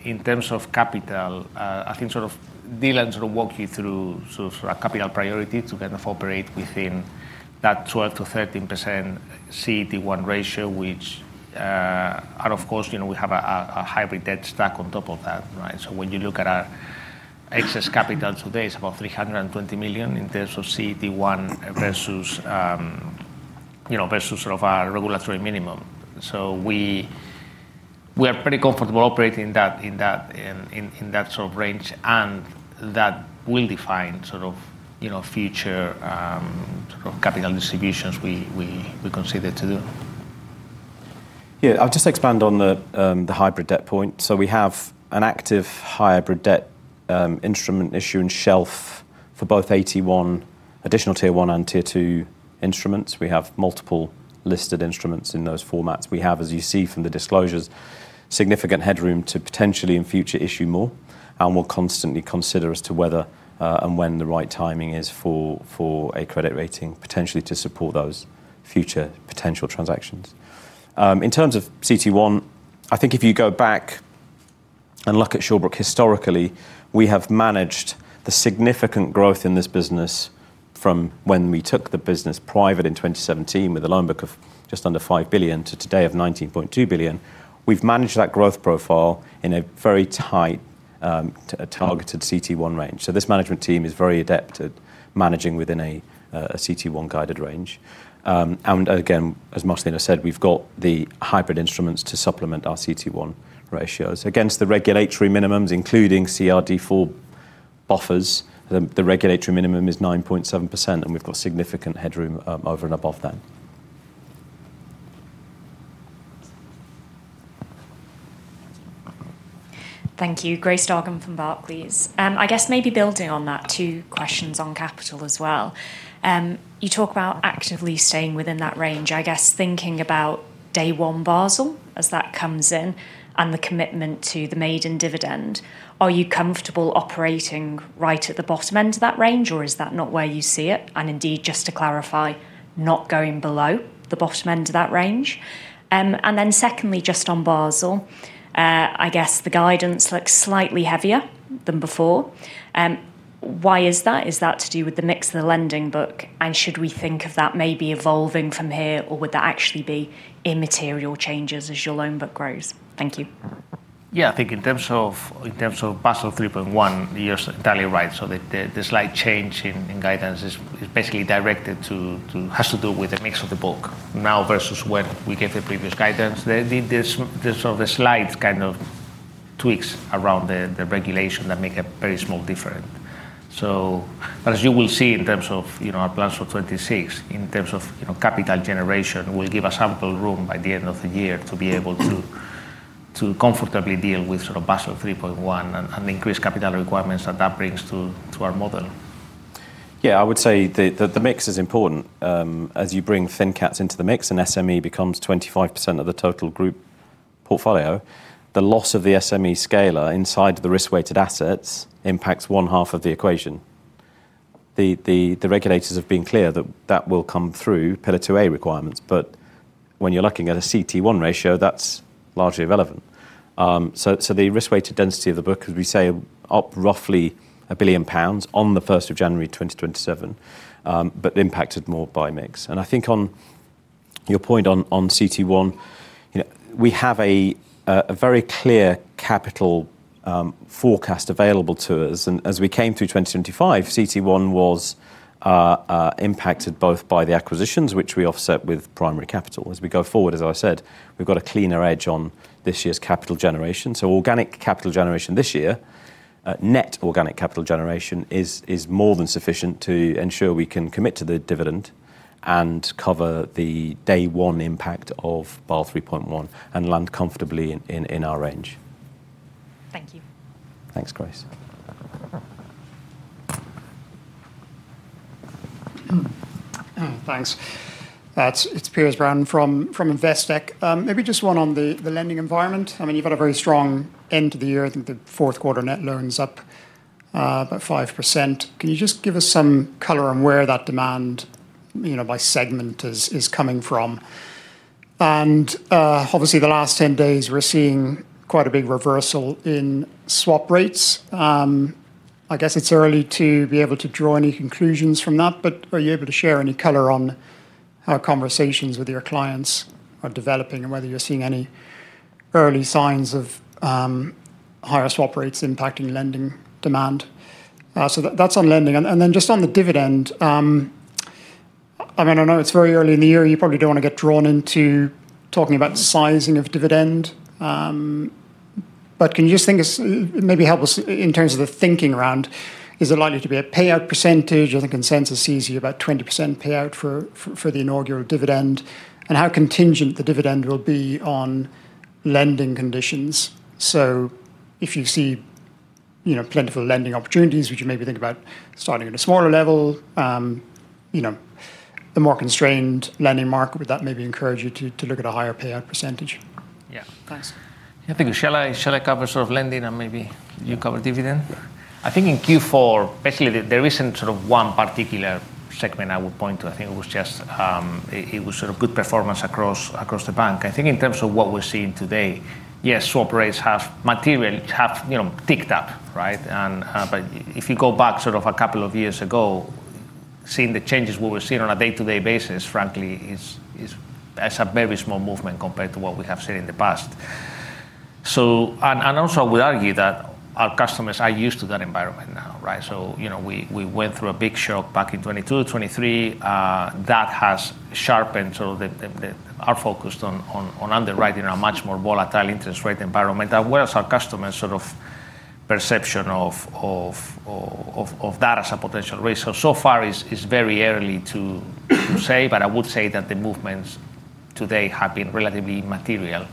In terms of capital, I think sort of Dylan sort of walk you through sort of our capital priority to kind of operate within that 12%-13% CET1 ratio, which, and of course, you know, we have a hybrid debt stack on top of that, right? When you look at our excess capital today, it's about 320 million in terms of CET1 versus, you know, versus sort of our regulatory minimum. We are pretty comfortable operating in that range, and that will define sort of, you know, future sort of capital distributions we consider to do. I'll just expand on the hybrid debt point. We have an active hybrid debt instrument issuing shelf for both AT1 additional Tier 1 and Tier 2 instruments. We have multiple listed instruments in those formats. We have, as you see from the disclosures, significant headroom to potentially in future issue more and will constantly consider as to whether and when the right timing is for a credit rating, potentially to support those future potential transactions. In terms of CET1, I think if you go back and look at Shawbrook historically, we have managed the significant growth in this business from when we took the business private in 2017 with a loan book of just under 5 billion to today of 19.2 billion. We've managed that growth profile in a very tightly targeted CET1 range. This management team is very adept at managing within a CET1 guided range. Again, as Marcelino said, we've got the hybrid instruments to supplement our CET1 ratios. Against the regulatory minimums, including CRD IV buffers, the regulatory minimum is 9.7%, and we've got significant headroom over and above that. Thank you. Grace Dargan from Barclays. I guess maybe building on that, two questions on capital as well. You talk about actively staying within that range. I guess thinking about day one Basel as that comes in and the commitment to the maiden dividend, are you comfortable operating right at the bottom end of that range, or is that not where you see it? And indeed, just to clarify, not going below the bottom end of that range. And then secondly, just on Basel, I guess the guidance looks slightly heavier than before. Why is that? Is that to do with the mix of the lending book, and should we think of that maybe evolving from here, or would that actually be immaterial changes as your loan book grows? Thank you. Yeah, I think in terms of Basel 3.1, you're entirely right. The slight change in guidance is basically has to do with the mix of the book now versus when we gave the previous guidance. There's sort of a slight kind of tweaks around the regulation that make a very small difference. As you will see in terms of, you know, our plans for 2026, in terms of, you know, capital generation, we'll give ourselves some room by the end of the year to be able to comfortably deal with sort of Basel 3.1 and increased capital requirements that that brings to our model. Yeah, I would say the mix is important. As you bring ThinCats into the mix and SME becomes 25% of the total group portfolio, the loss of the SME scaler inside the risk-weighted assets impacts one half of the equation. The regulators have been clear that that will come through Pillar 2A requirements. But when you're looking at a CET1 ratio, that's largely irrelevant. So the risk-weighted density of the book, as we say, up roughly 1 billion pounds on the 1st of January 2027, but impacted more by mix. I think on your point on CET1, you know, we have a very clear capital forecast available to us. As we came through 2025, CET1 was impacted both by the acquisitions which we offset with primary capital. As we go forward, as I said, we've got a cleaner edge on this year's capital generation. Organic capital generation this year, net organic capital generation is more than sufficient to ensure we can commit to the dividend and cover the day one impact of Basel 3.1 and land comfortably in our range. Thank you. Thanks, Grace. Thanks. It's Piers Brown from Investec. Maybe just one on the lending environment. I mean, you've had a very strong end to the year. I think the fourth quarter net loan is up about 5%. Can you just give us some color on where that demand, you know, by segment is coming from? Obviously the last 10 days we're seeing quite a big reversal in swap rates. I guess it's early to be able to draw any conclusions from that. Are you able to share any color on how conversations with your clients are developing and whether you're seeing any early signs of higher swap rates impacting lending demand? That's on lending. Just on the dividend, I mean, I know it's very early in the year, you probably don't want to get drawn into talking about sizing of dividend. But can you just think it's maybe help us in terms of the thinking around, is there likely to be a payout percentage or the consensus sees you about 20% payout for the inaugural dividend? How contingent the dividend will be on lending conditions. If you see, you know, plentiful lending opportunities, would you maybe think about starting at a smaller level? You know, the more constrained lending market, would that maybe encourage you to look at a higher payout percentage? Yeah, Thanks. Yeah, thank you. Shall I cover sort of lending and maybe you cover dividend? Yeah. I think in Q4, basically there isn't sort of one particular segment I would point to. I think it was just, it was sort of good performance across the bank. I think in terms of what we're seeing today, yes, swap rates have materially, you know, ticked up, right? If you go back sort of a couple of years ago, what we're seeing on a day-to-day basis, frankly, is, that's a very small movement compared to what we have seen in the past. Also I would argue that our customers are used to that environment now, right? You know, we went through a big shock back in 2022, 2023, that has sharpened our focus on underwriting a much more volatile interest rate environment, as well as our customers sort of perception of that as a potential risk. So far it is very early to say, but I would say that the movements today have been relatively material.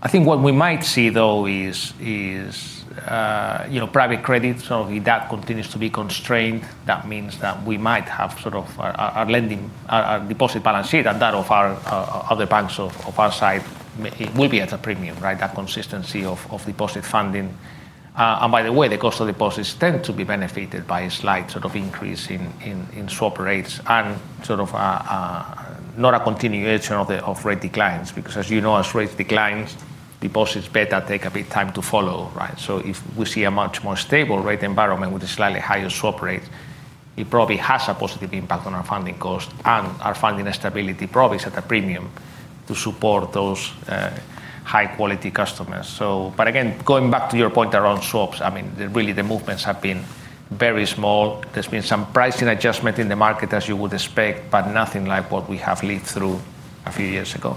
I think what we might see though is you know, private credit. If that continues to be constrained, that means that we might have sort of our lending, our deposit balance sheet and that of our other banks on our side will be at a premium, right? That consistency of deposit funding. By the way, the cost of deposits tend to be benefited by a slight sort of increase in swap rates and sort of not a continuation of rate declines. Because as you know, as rates declines, deposits but they take a bit of time to follow, right? If we see a much more stable rate environment with a slightly higher swap rate, it probably has a positive impact on our funding cost and our funding stability probably is at a premium to support those high quality customers. Again, going back to your point around swaps, I mean, really the movements have been very small. There's been some pricing adjustment in the market as you would expect, but nothing like what we have lived through a few years ago.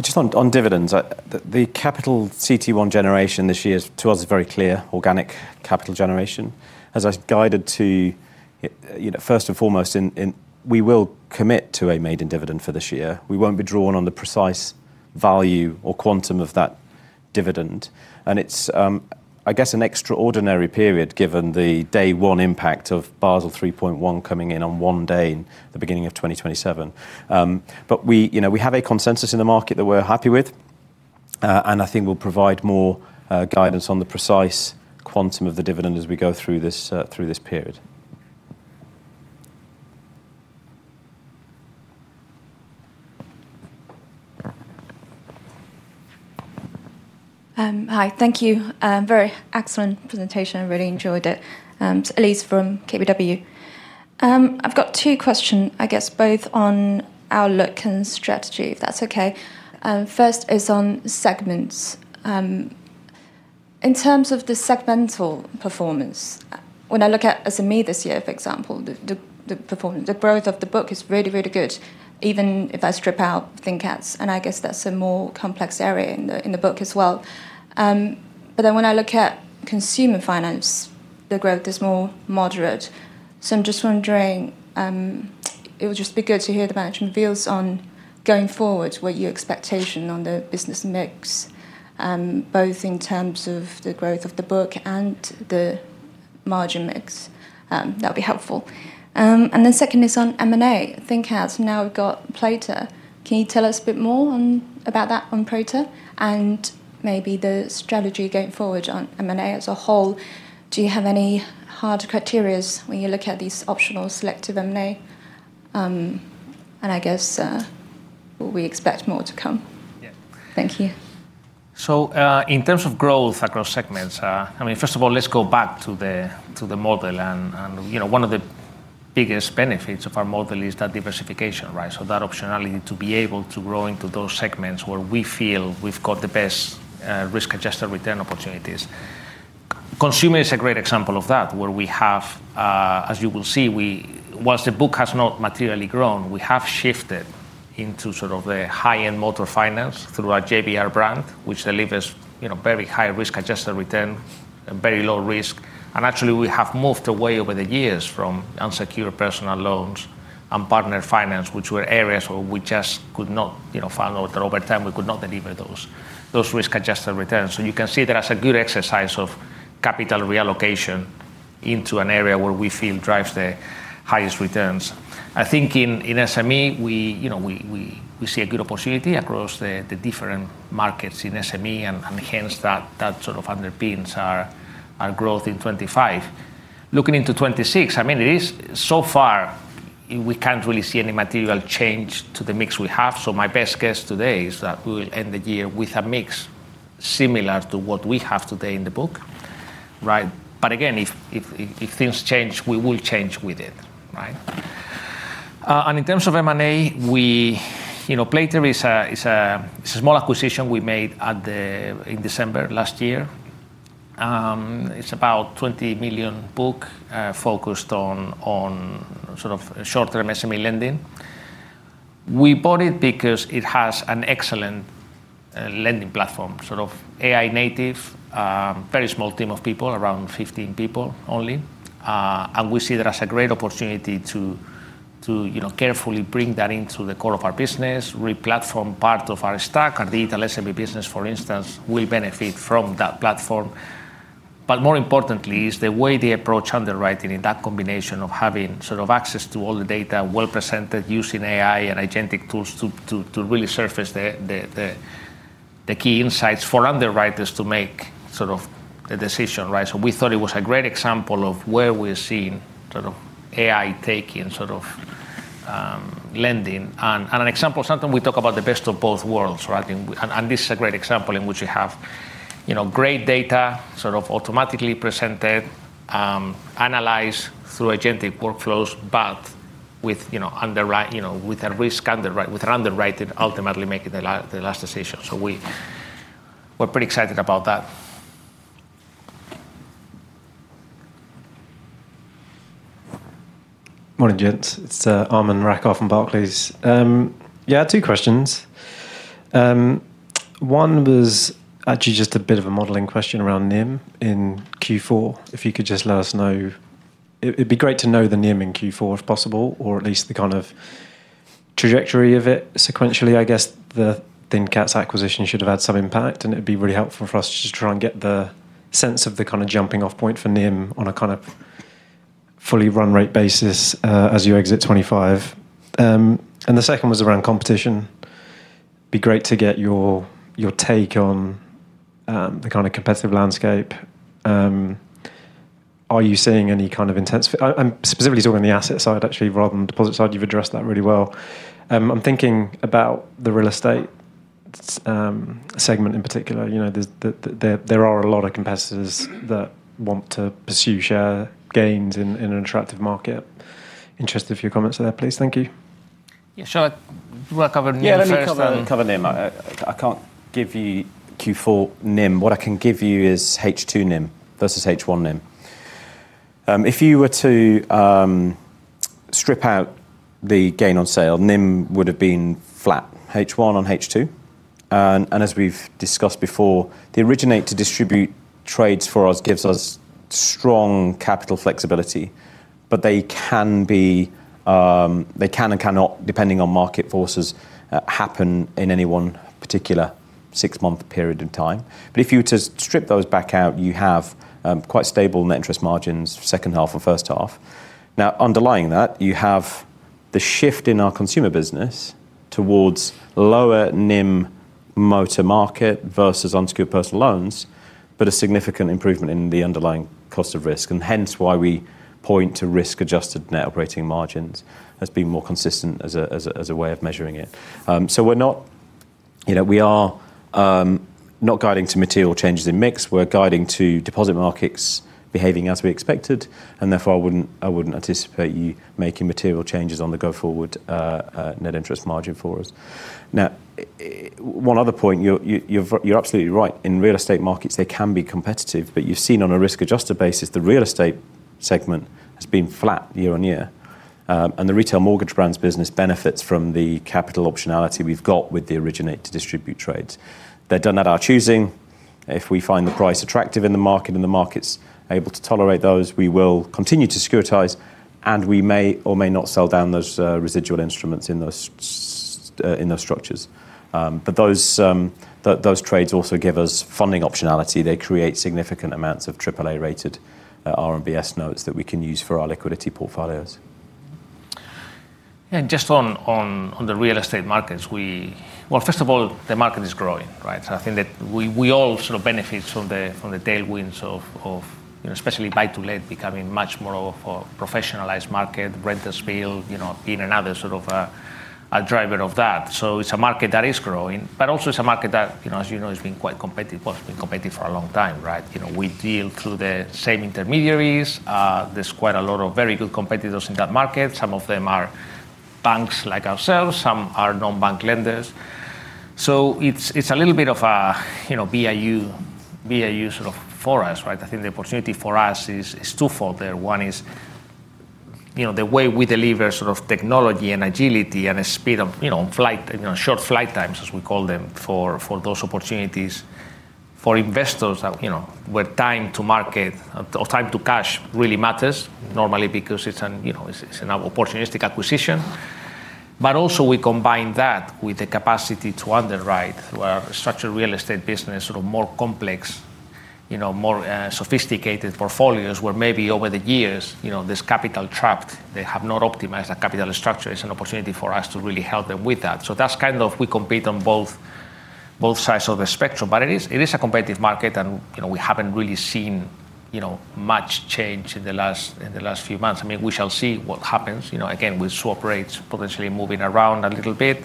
Just on dividends. The capital CET1 generation this year to us is very clear, organic capital generation. As I guided to, you know, first and foremost we will commit to a maiden dividend for this year. We won't be drawn on the precise value or quantum of that dividend. It's, I guess an extraordinary period given the day one impact of Basel 3.1 coming in on one day in the beginning of 2027. But, you know, we have a consensus in the market that we're happy with, and I think we'll provide more guidance on the precise quantum of the dividend as we go through this period. Hi. Thank you. Very excellent presentation. I really enjoyed it. It's Elise from KBW. I've got two questions, I guess both on outlook and strategy, if that's okay. First is on segments. In terms of the segmental performance, when I look at SME this year, for example, the performance, the growth of the book is really, really good even if I strip out ThinCats, and I guess that's a more complex area in the book as well. When I look at Consumer Finance, the growth is more moderate. I'm just wondering, it would just be good to hear the management views on going forward what your expectation on the business mix, both in terms of the growth of the book and the margin mix. That'd be helpful. Second is on M&A. ThinCats, now we've got Playter. Can you tell us a bit more about that on Playter and maybe the strategy going forward on M&A as a whole? Do you have any hard criteria when you look at these opportunistic selective M&A? I guess we expect more to come. Yeah. Thank you. In terms of growth across segments, I mean, first of all, let's go back to the model and, you know, one of the biggest benefits of our model is that diversification, right? That optionality to be able to grow into those segments where we feel we've got the best risk-adjusted return opportunities. Consumer is a great example of that, where we have, as you will see, while the book has not materially grown, we have shifted into sort of the high-end motor finance through our JBR brand, which delivers, you know, very high risk-adjusted return, very low risk. Actually, we have moved away over the years from unsecured personal loans and partner finance, which were areas where we just could not, you know, find out that over time we could not deliver those risk-adjusted returns. You can see that as a good exercise of capital reallocation into an area where we feel drives the highest returns. I think in SME, we, you know, we see a good opportunity across the different markets in SME and hence that sort of underpins our growth in 2025. Looking into 2026, I mean, it is so far we can't really see any material change to the mix we have. My best guess today is that we'll end the year with a mix similar to what we have today in the book, right? Again, if things change, we will change with it, right? In terms of M&A, we, you know, Playter is a small acquisition we made in December last year. It's about 20 million book, focused on sort of short-term SME lending. We bought it because it has an excellent lending platform, sort of AI native, very small team of people, around 15 people only. We see that as a great opportunity to, you know, carefully bring that into the core of our business, replatform part of our stack. Our digital SME business, for instance, will benefit from that platform. More importantly is the way they approach underwriting in that combination of having sort of access to all the data well presented using AI and agentic tools to really surface the key insights for underwriters to make sort of the decision, right? We thought it was a great example of where we're seeing sort of AI taking sort of lending and an example of something we talk about, the best of both worlds, right? This is a great example in which you have, you know, great data sort of automatically presented, analyzed through agentic workflows, but with, you know, an underwriter ultimately making the last decision. We're pretty excited about that. Morning, gents. It's Aman Rakkar from Barclays. Yeah, two questions. One was actually just a bit of a modeling question around NIM in Q4. If you could just let us know, it'd be great to know the NIM in Q4 if possible, or at least the kind of trajectory of it sequentially. I guess the ThinCats acquisition should have had some impact, and it'd be really helpful for us just to try and get the sense of the kind of jumping off point for NIM on a kind of fully run rate basis as you exit 2025. The second was around competition. It'd be great to get your take on the kind of competitive landscape. Are you seeing any kind of intense competition? I'm specifically talking about the asset side, actually, rather than the deposit side. You've addressed that really well. I'm thinking about the Real Estate segment in particular. You know, there are a lot of competitors that want to pursue share gains in an attractive market. Interested for your comments there, please. Thank you. Do you want to cover NIM first and then? Yeah, let me cover NIM. I can't give you Q4 NIM. What I can give you is H2 NIM versus H1 NIM. If you were to strip out the gain on sale, NIM would have been flat H1 to H2. As we've discussed before, the originate to distribute trades for us gives us strong capital flexibility. They can be. They can or cannot, depending on market forces, happen in any one particular six-month period in time. If you were to strip those back out, you have quite stable net interest margins for second half and first half. Now, underlying that, you have the shift in our consumer business towards lower NIM motor market versus unsecured personal loans, but a significant improvement in the underlying cost of risk, and hence why we point to risk-adjusted net operating margins as being more consistent as a way of measuring it. You know, we are not guiding to material changes in mix. We're guiding to deposit markets behaving as we expected, and therefore I wouldn't anticipate you making material changes on the go-forward net interest margin for us. Now, one other point, you're absolutely right. In real estate markets, they can be competitive, but you've seen on a risk-adjusted basis, the Real Estate segment has been flat year-on-year. The Retail Mortgage Brands business benefits from the capital optionality we've got with the originate to distribute trades. They're done at our choosing. If we find the price attractive in the market and the market's able to tolerate those, we will continue to securitize, and we may or may not sell down those residual instruments in those structures. Those trades also give us funding optionality. They create significant amounts of triple A-rated RMBS notes that we can use for our liquidity portfolios. Just on the real estate markets, well, first of all, the market is growing, right? So I think that we all sort of benefit from the tailwinds of, you know, especially Buy-to-let becoming much more of a professionalized market. Renters' Bill, you know, being another sort of a driver of that. So it's a market that is growing, but also it's a market that, you know, as you know, has been quite competitive. Well, it's been competitive for a long time, right? You know, we deal through the same intermediaries. There's quite a lot of very good competitors in that market. Some of them are banks like ourselves, some are non-bank lenders. So it's a little bit of a, you know, BAU sort of for us, right? I think the opportunity for us is twofold there. One is, you know, the way we deliver sort of technology and agility and the speed of, you know, flight, you know, short flight times, as we call them, for those opportunities for investors that, you know, where time to market or time to cash really matters normally because it's an, you know, it's an opportunistic acquisition. But also we combine that with the capacity to underwrite through our structured real estate business, sort of more complex, you know, more sophisticated portfolios, where maybe over the years, you know, there's capital trapped. They have not optimized that capital structure. It's an opportunity for us to really help them with that. That's kind of we compete on both sides of the spectrum. It is a competitive market and, you know, we haven't really seen, you know, much change in the last few months. I mean, we shall see what happens. You know, again, with swap rates potentially moving around a little bit.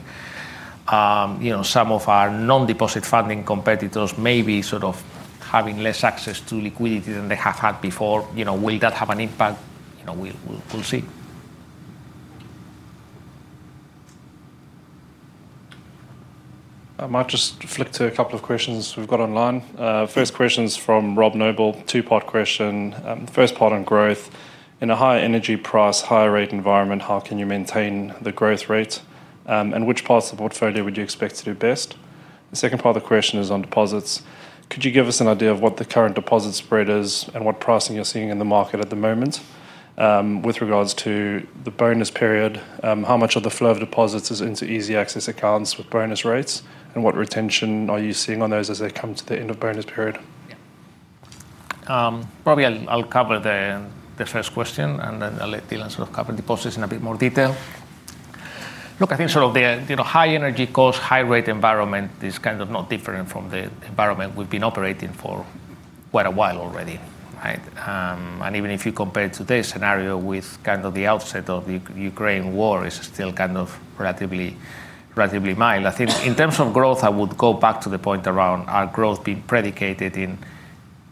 You know, some of our non-deposit funding competitors may be sort of having less access to liquidity than they have had before. You know, will that have an impact? You know, we'll see. I might just flick to a couple of questions we've got online. First question's from Rob Noble. Two-part question. The first part on growth. In a higher energy price, higher rate environment, how can you maintain the growth rate, and which parts of the portfolio would you expect to do best? The second part of the question is on deposits. Could you give us an idea of what the current deposit spread is and what pricing you're seeing in the market at the moment? With regards to the bonus period, how much of the flow of deposits is into easy access accounts with bonus rates, and what retention are you seeing on those as they come to the end of bonus period? Probably I'll cover the first question and then I'll let Dylan sort of cover deposits in a bit more detail. Look, I think sort of the, you know, high energy cost, high rate environment is kind of not different from the environment we've been operating for quite a while already, right? Even if you compare today's scenario with kind of the outset of the Ukraine war is still kind of relatively mild. I think in terms of growth, I would go back to the point around our growth being predicated in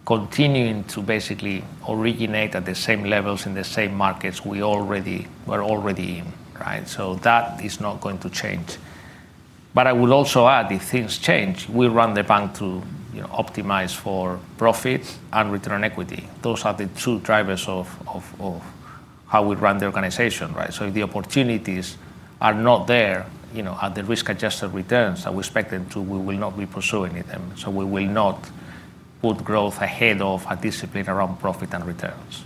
continuing to basically originate at the same levels in the same markets we're already in, right? That is not going to change. But I would also add, if things change, we run the bank to, you know, optimize for profit and return on equity. Those are the two drivers of how we run the organization, right? If the opportunities are not there, you know, at the risk-adjusted returns that we expect them to, we will not be pursuing them. We will not put growth ahead of our discipline around profit and returns.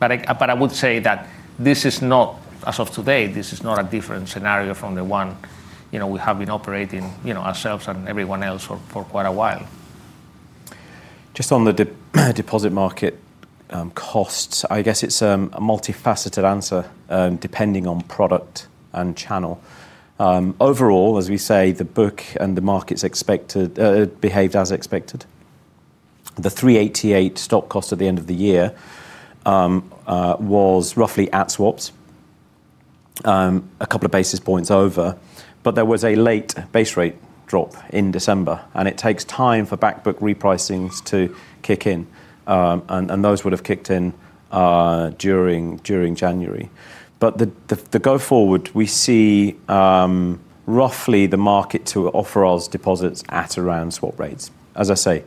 I would say that this is not, as of today, a different scenario from the one, you know, we have been operating, you know, ourselves and everyone else for quite a while. Just on the deposit market costs. I guess it's a multifaceted answer depending on product and channel. Overall, as we say, the book and the market, as expected, behaved as expected. The [3.88] stock cost at the end of the year was roughly at swaps a couple of basis points over. There was a late base rate drop in December, and it takes time for back book repricings to kick in. Those would have kicked in during January. The going forward, we see roughly the market to offer us deposits at around swap rates. As I say,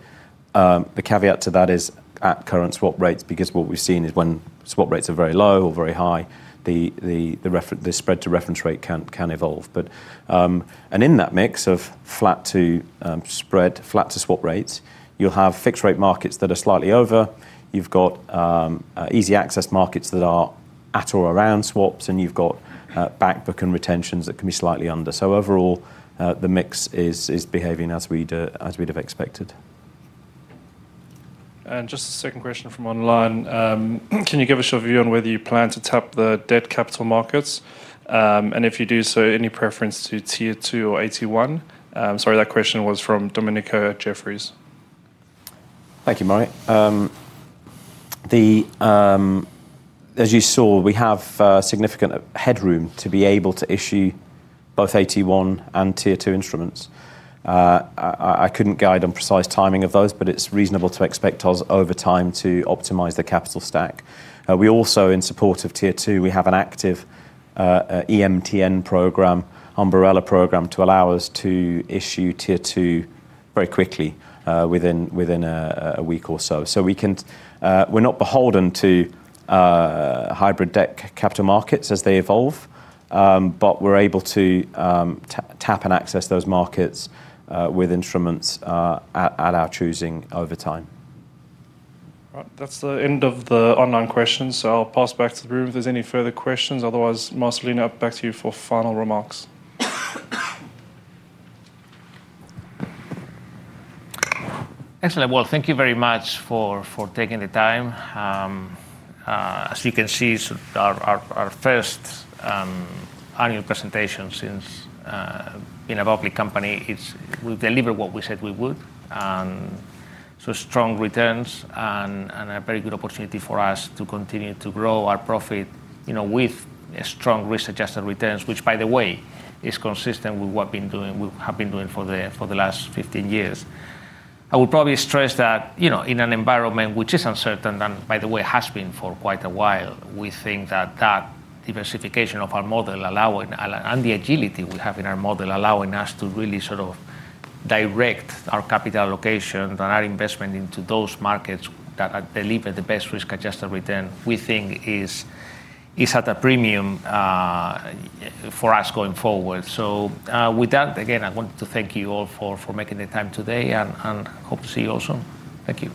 the caveat to that is at current swap rates, because what we've seen is when swap rates are very low or very high, the spread to reference rate can evolve. In that mix of flat to spread, flat to swap rates, you'll have fixed rate markets that are slightly over. You've got easy access markets that are at or around swaps, and you've got back book and retentions that can be slightly under. Overall, the mix is behaving as we'd have expected. Just a second question from online. Can you give us your view on whether you plan to tap the debt capital markets? If you do so, any preference to Tier 2 or AT1? Sorry, that question was from Dominic of Jefferies. Thank you, Murray. As you saw, we have significant headroom to be able to issue both AT1 and Tier 2 instruments. I couldn't guide on precise timing of those, but it's reasonable to expect us over time to optimize the capital stack. We also in support of Tier 2, we have an active EMTN program, umbrella program to allow us to issue Tier 2 very quickly, within a week or so. We're not beholden to hybrid debt capital markets as they evolve, but we're able to tap and access those markets with instruments at our choosing over time. All right. That's the end of the online questions, so I'll pass back to the room if there's any further questions. Otherwise, Marcelino, back to you for final remarks. Excellent. Well, thank you very much for taking the time. As you can see, sort of our first annual presentation since being a public company, it's. We've delivered what we said we would. Strong returns and a very good opportunity for us to continue to grow our profit, you know, with a strong risk-adjusted returns, which, by the way, is consistent with what we have been doing for the last 15 years. I will probably stress that, you know, in an environment which is uncertain and, by the way, has been for quite a while, we think that that diversification of our model allowing. The agility we have in our model allowing us to really sort of direct our capital allocation and our investment into those markets that are delivered the best risk-adjusted return, we think is at a premium for us going forward. With that, again, I want to thank you all for making the time today and hope to see you all soon. Thank you.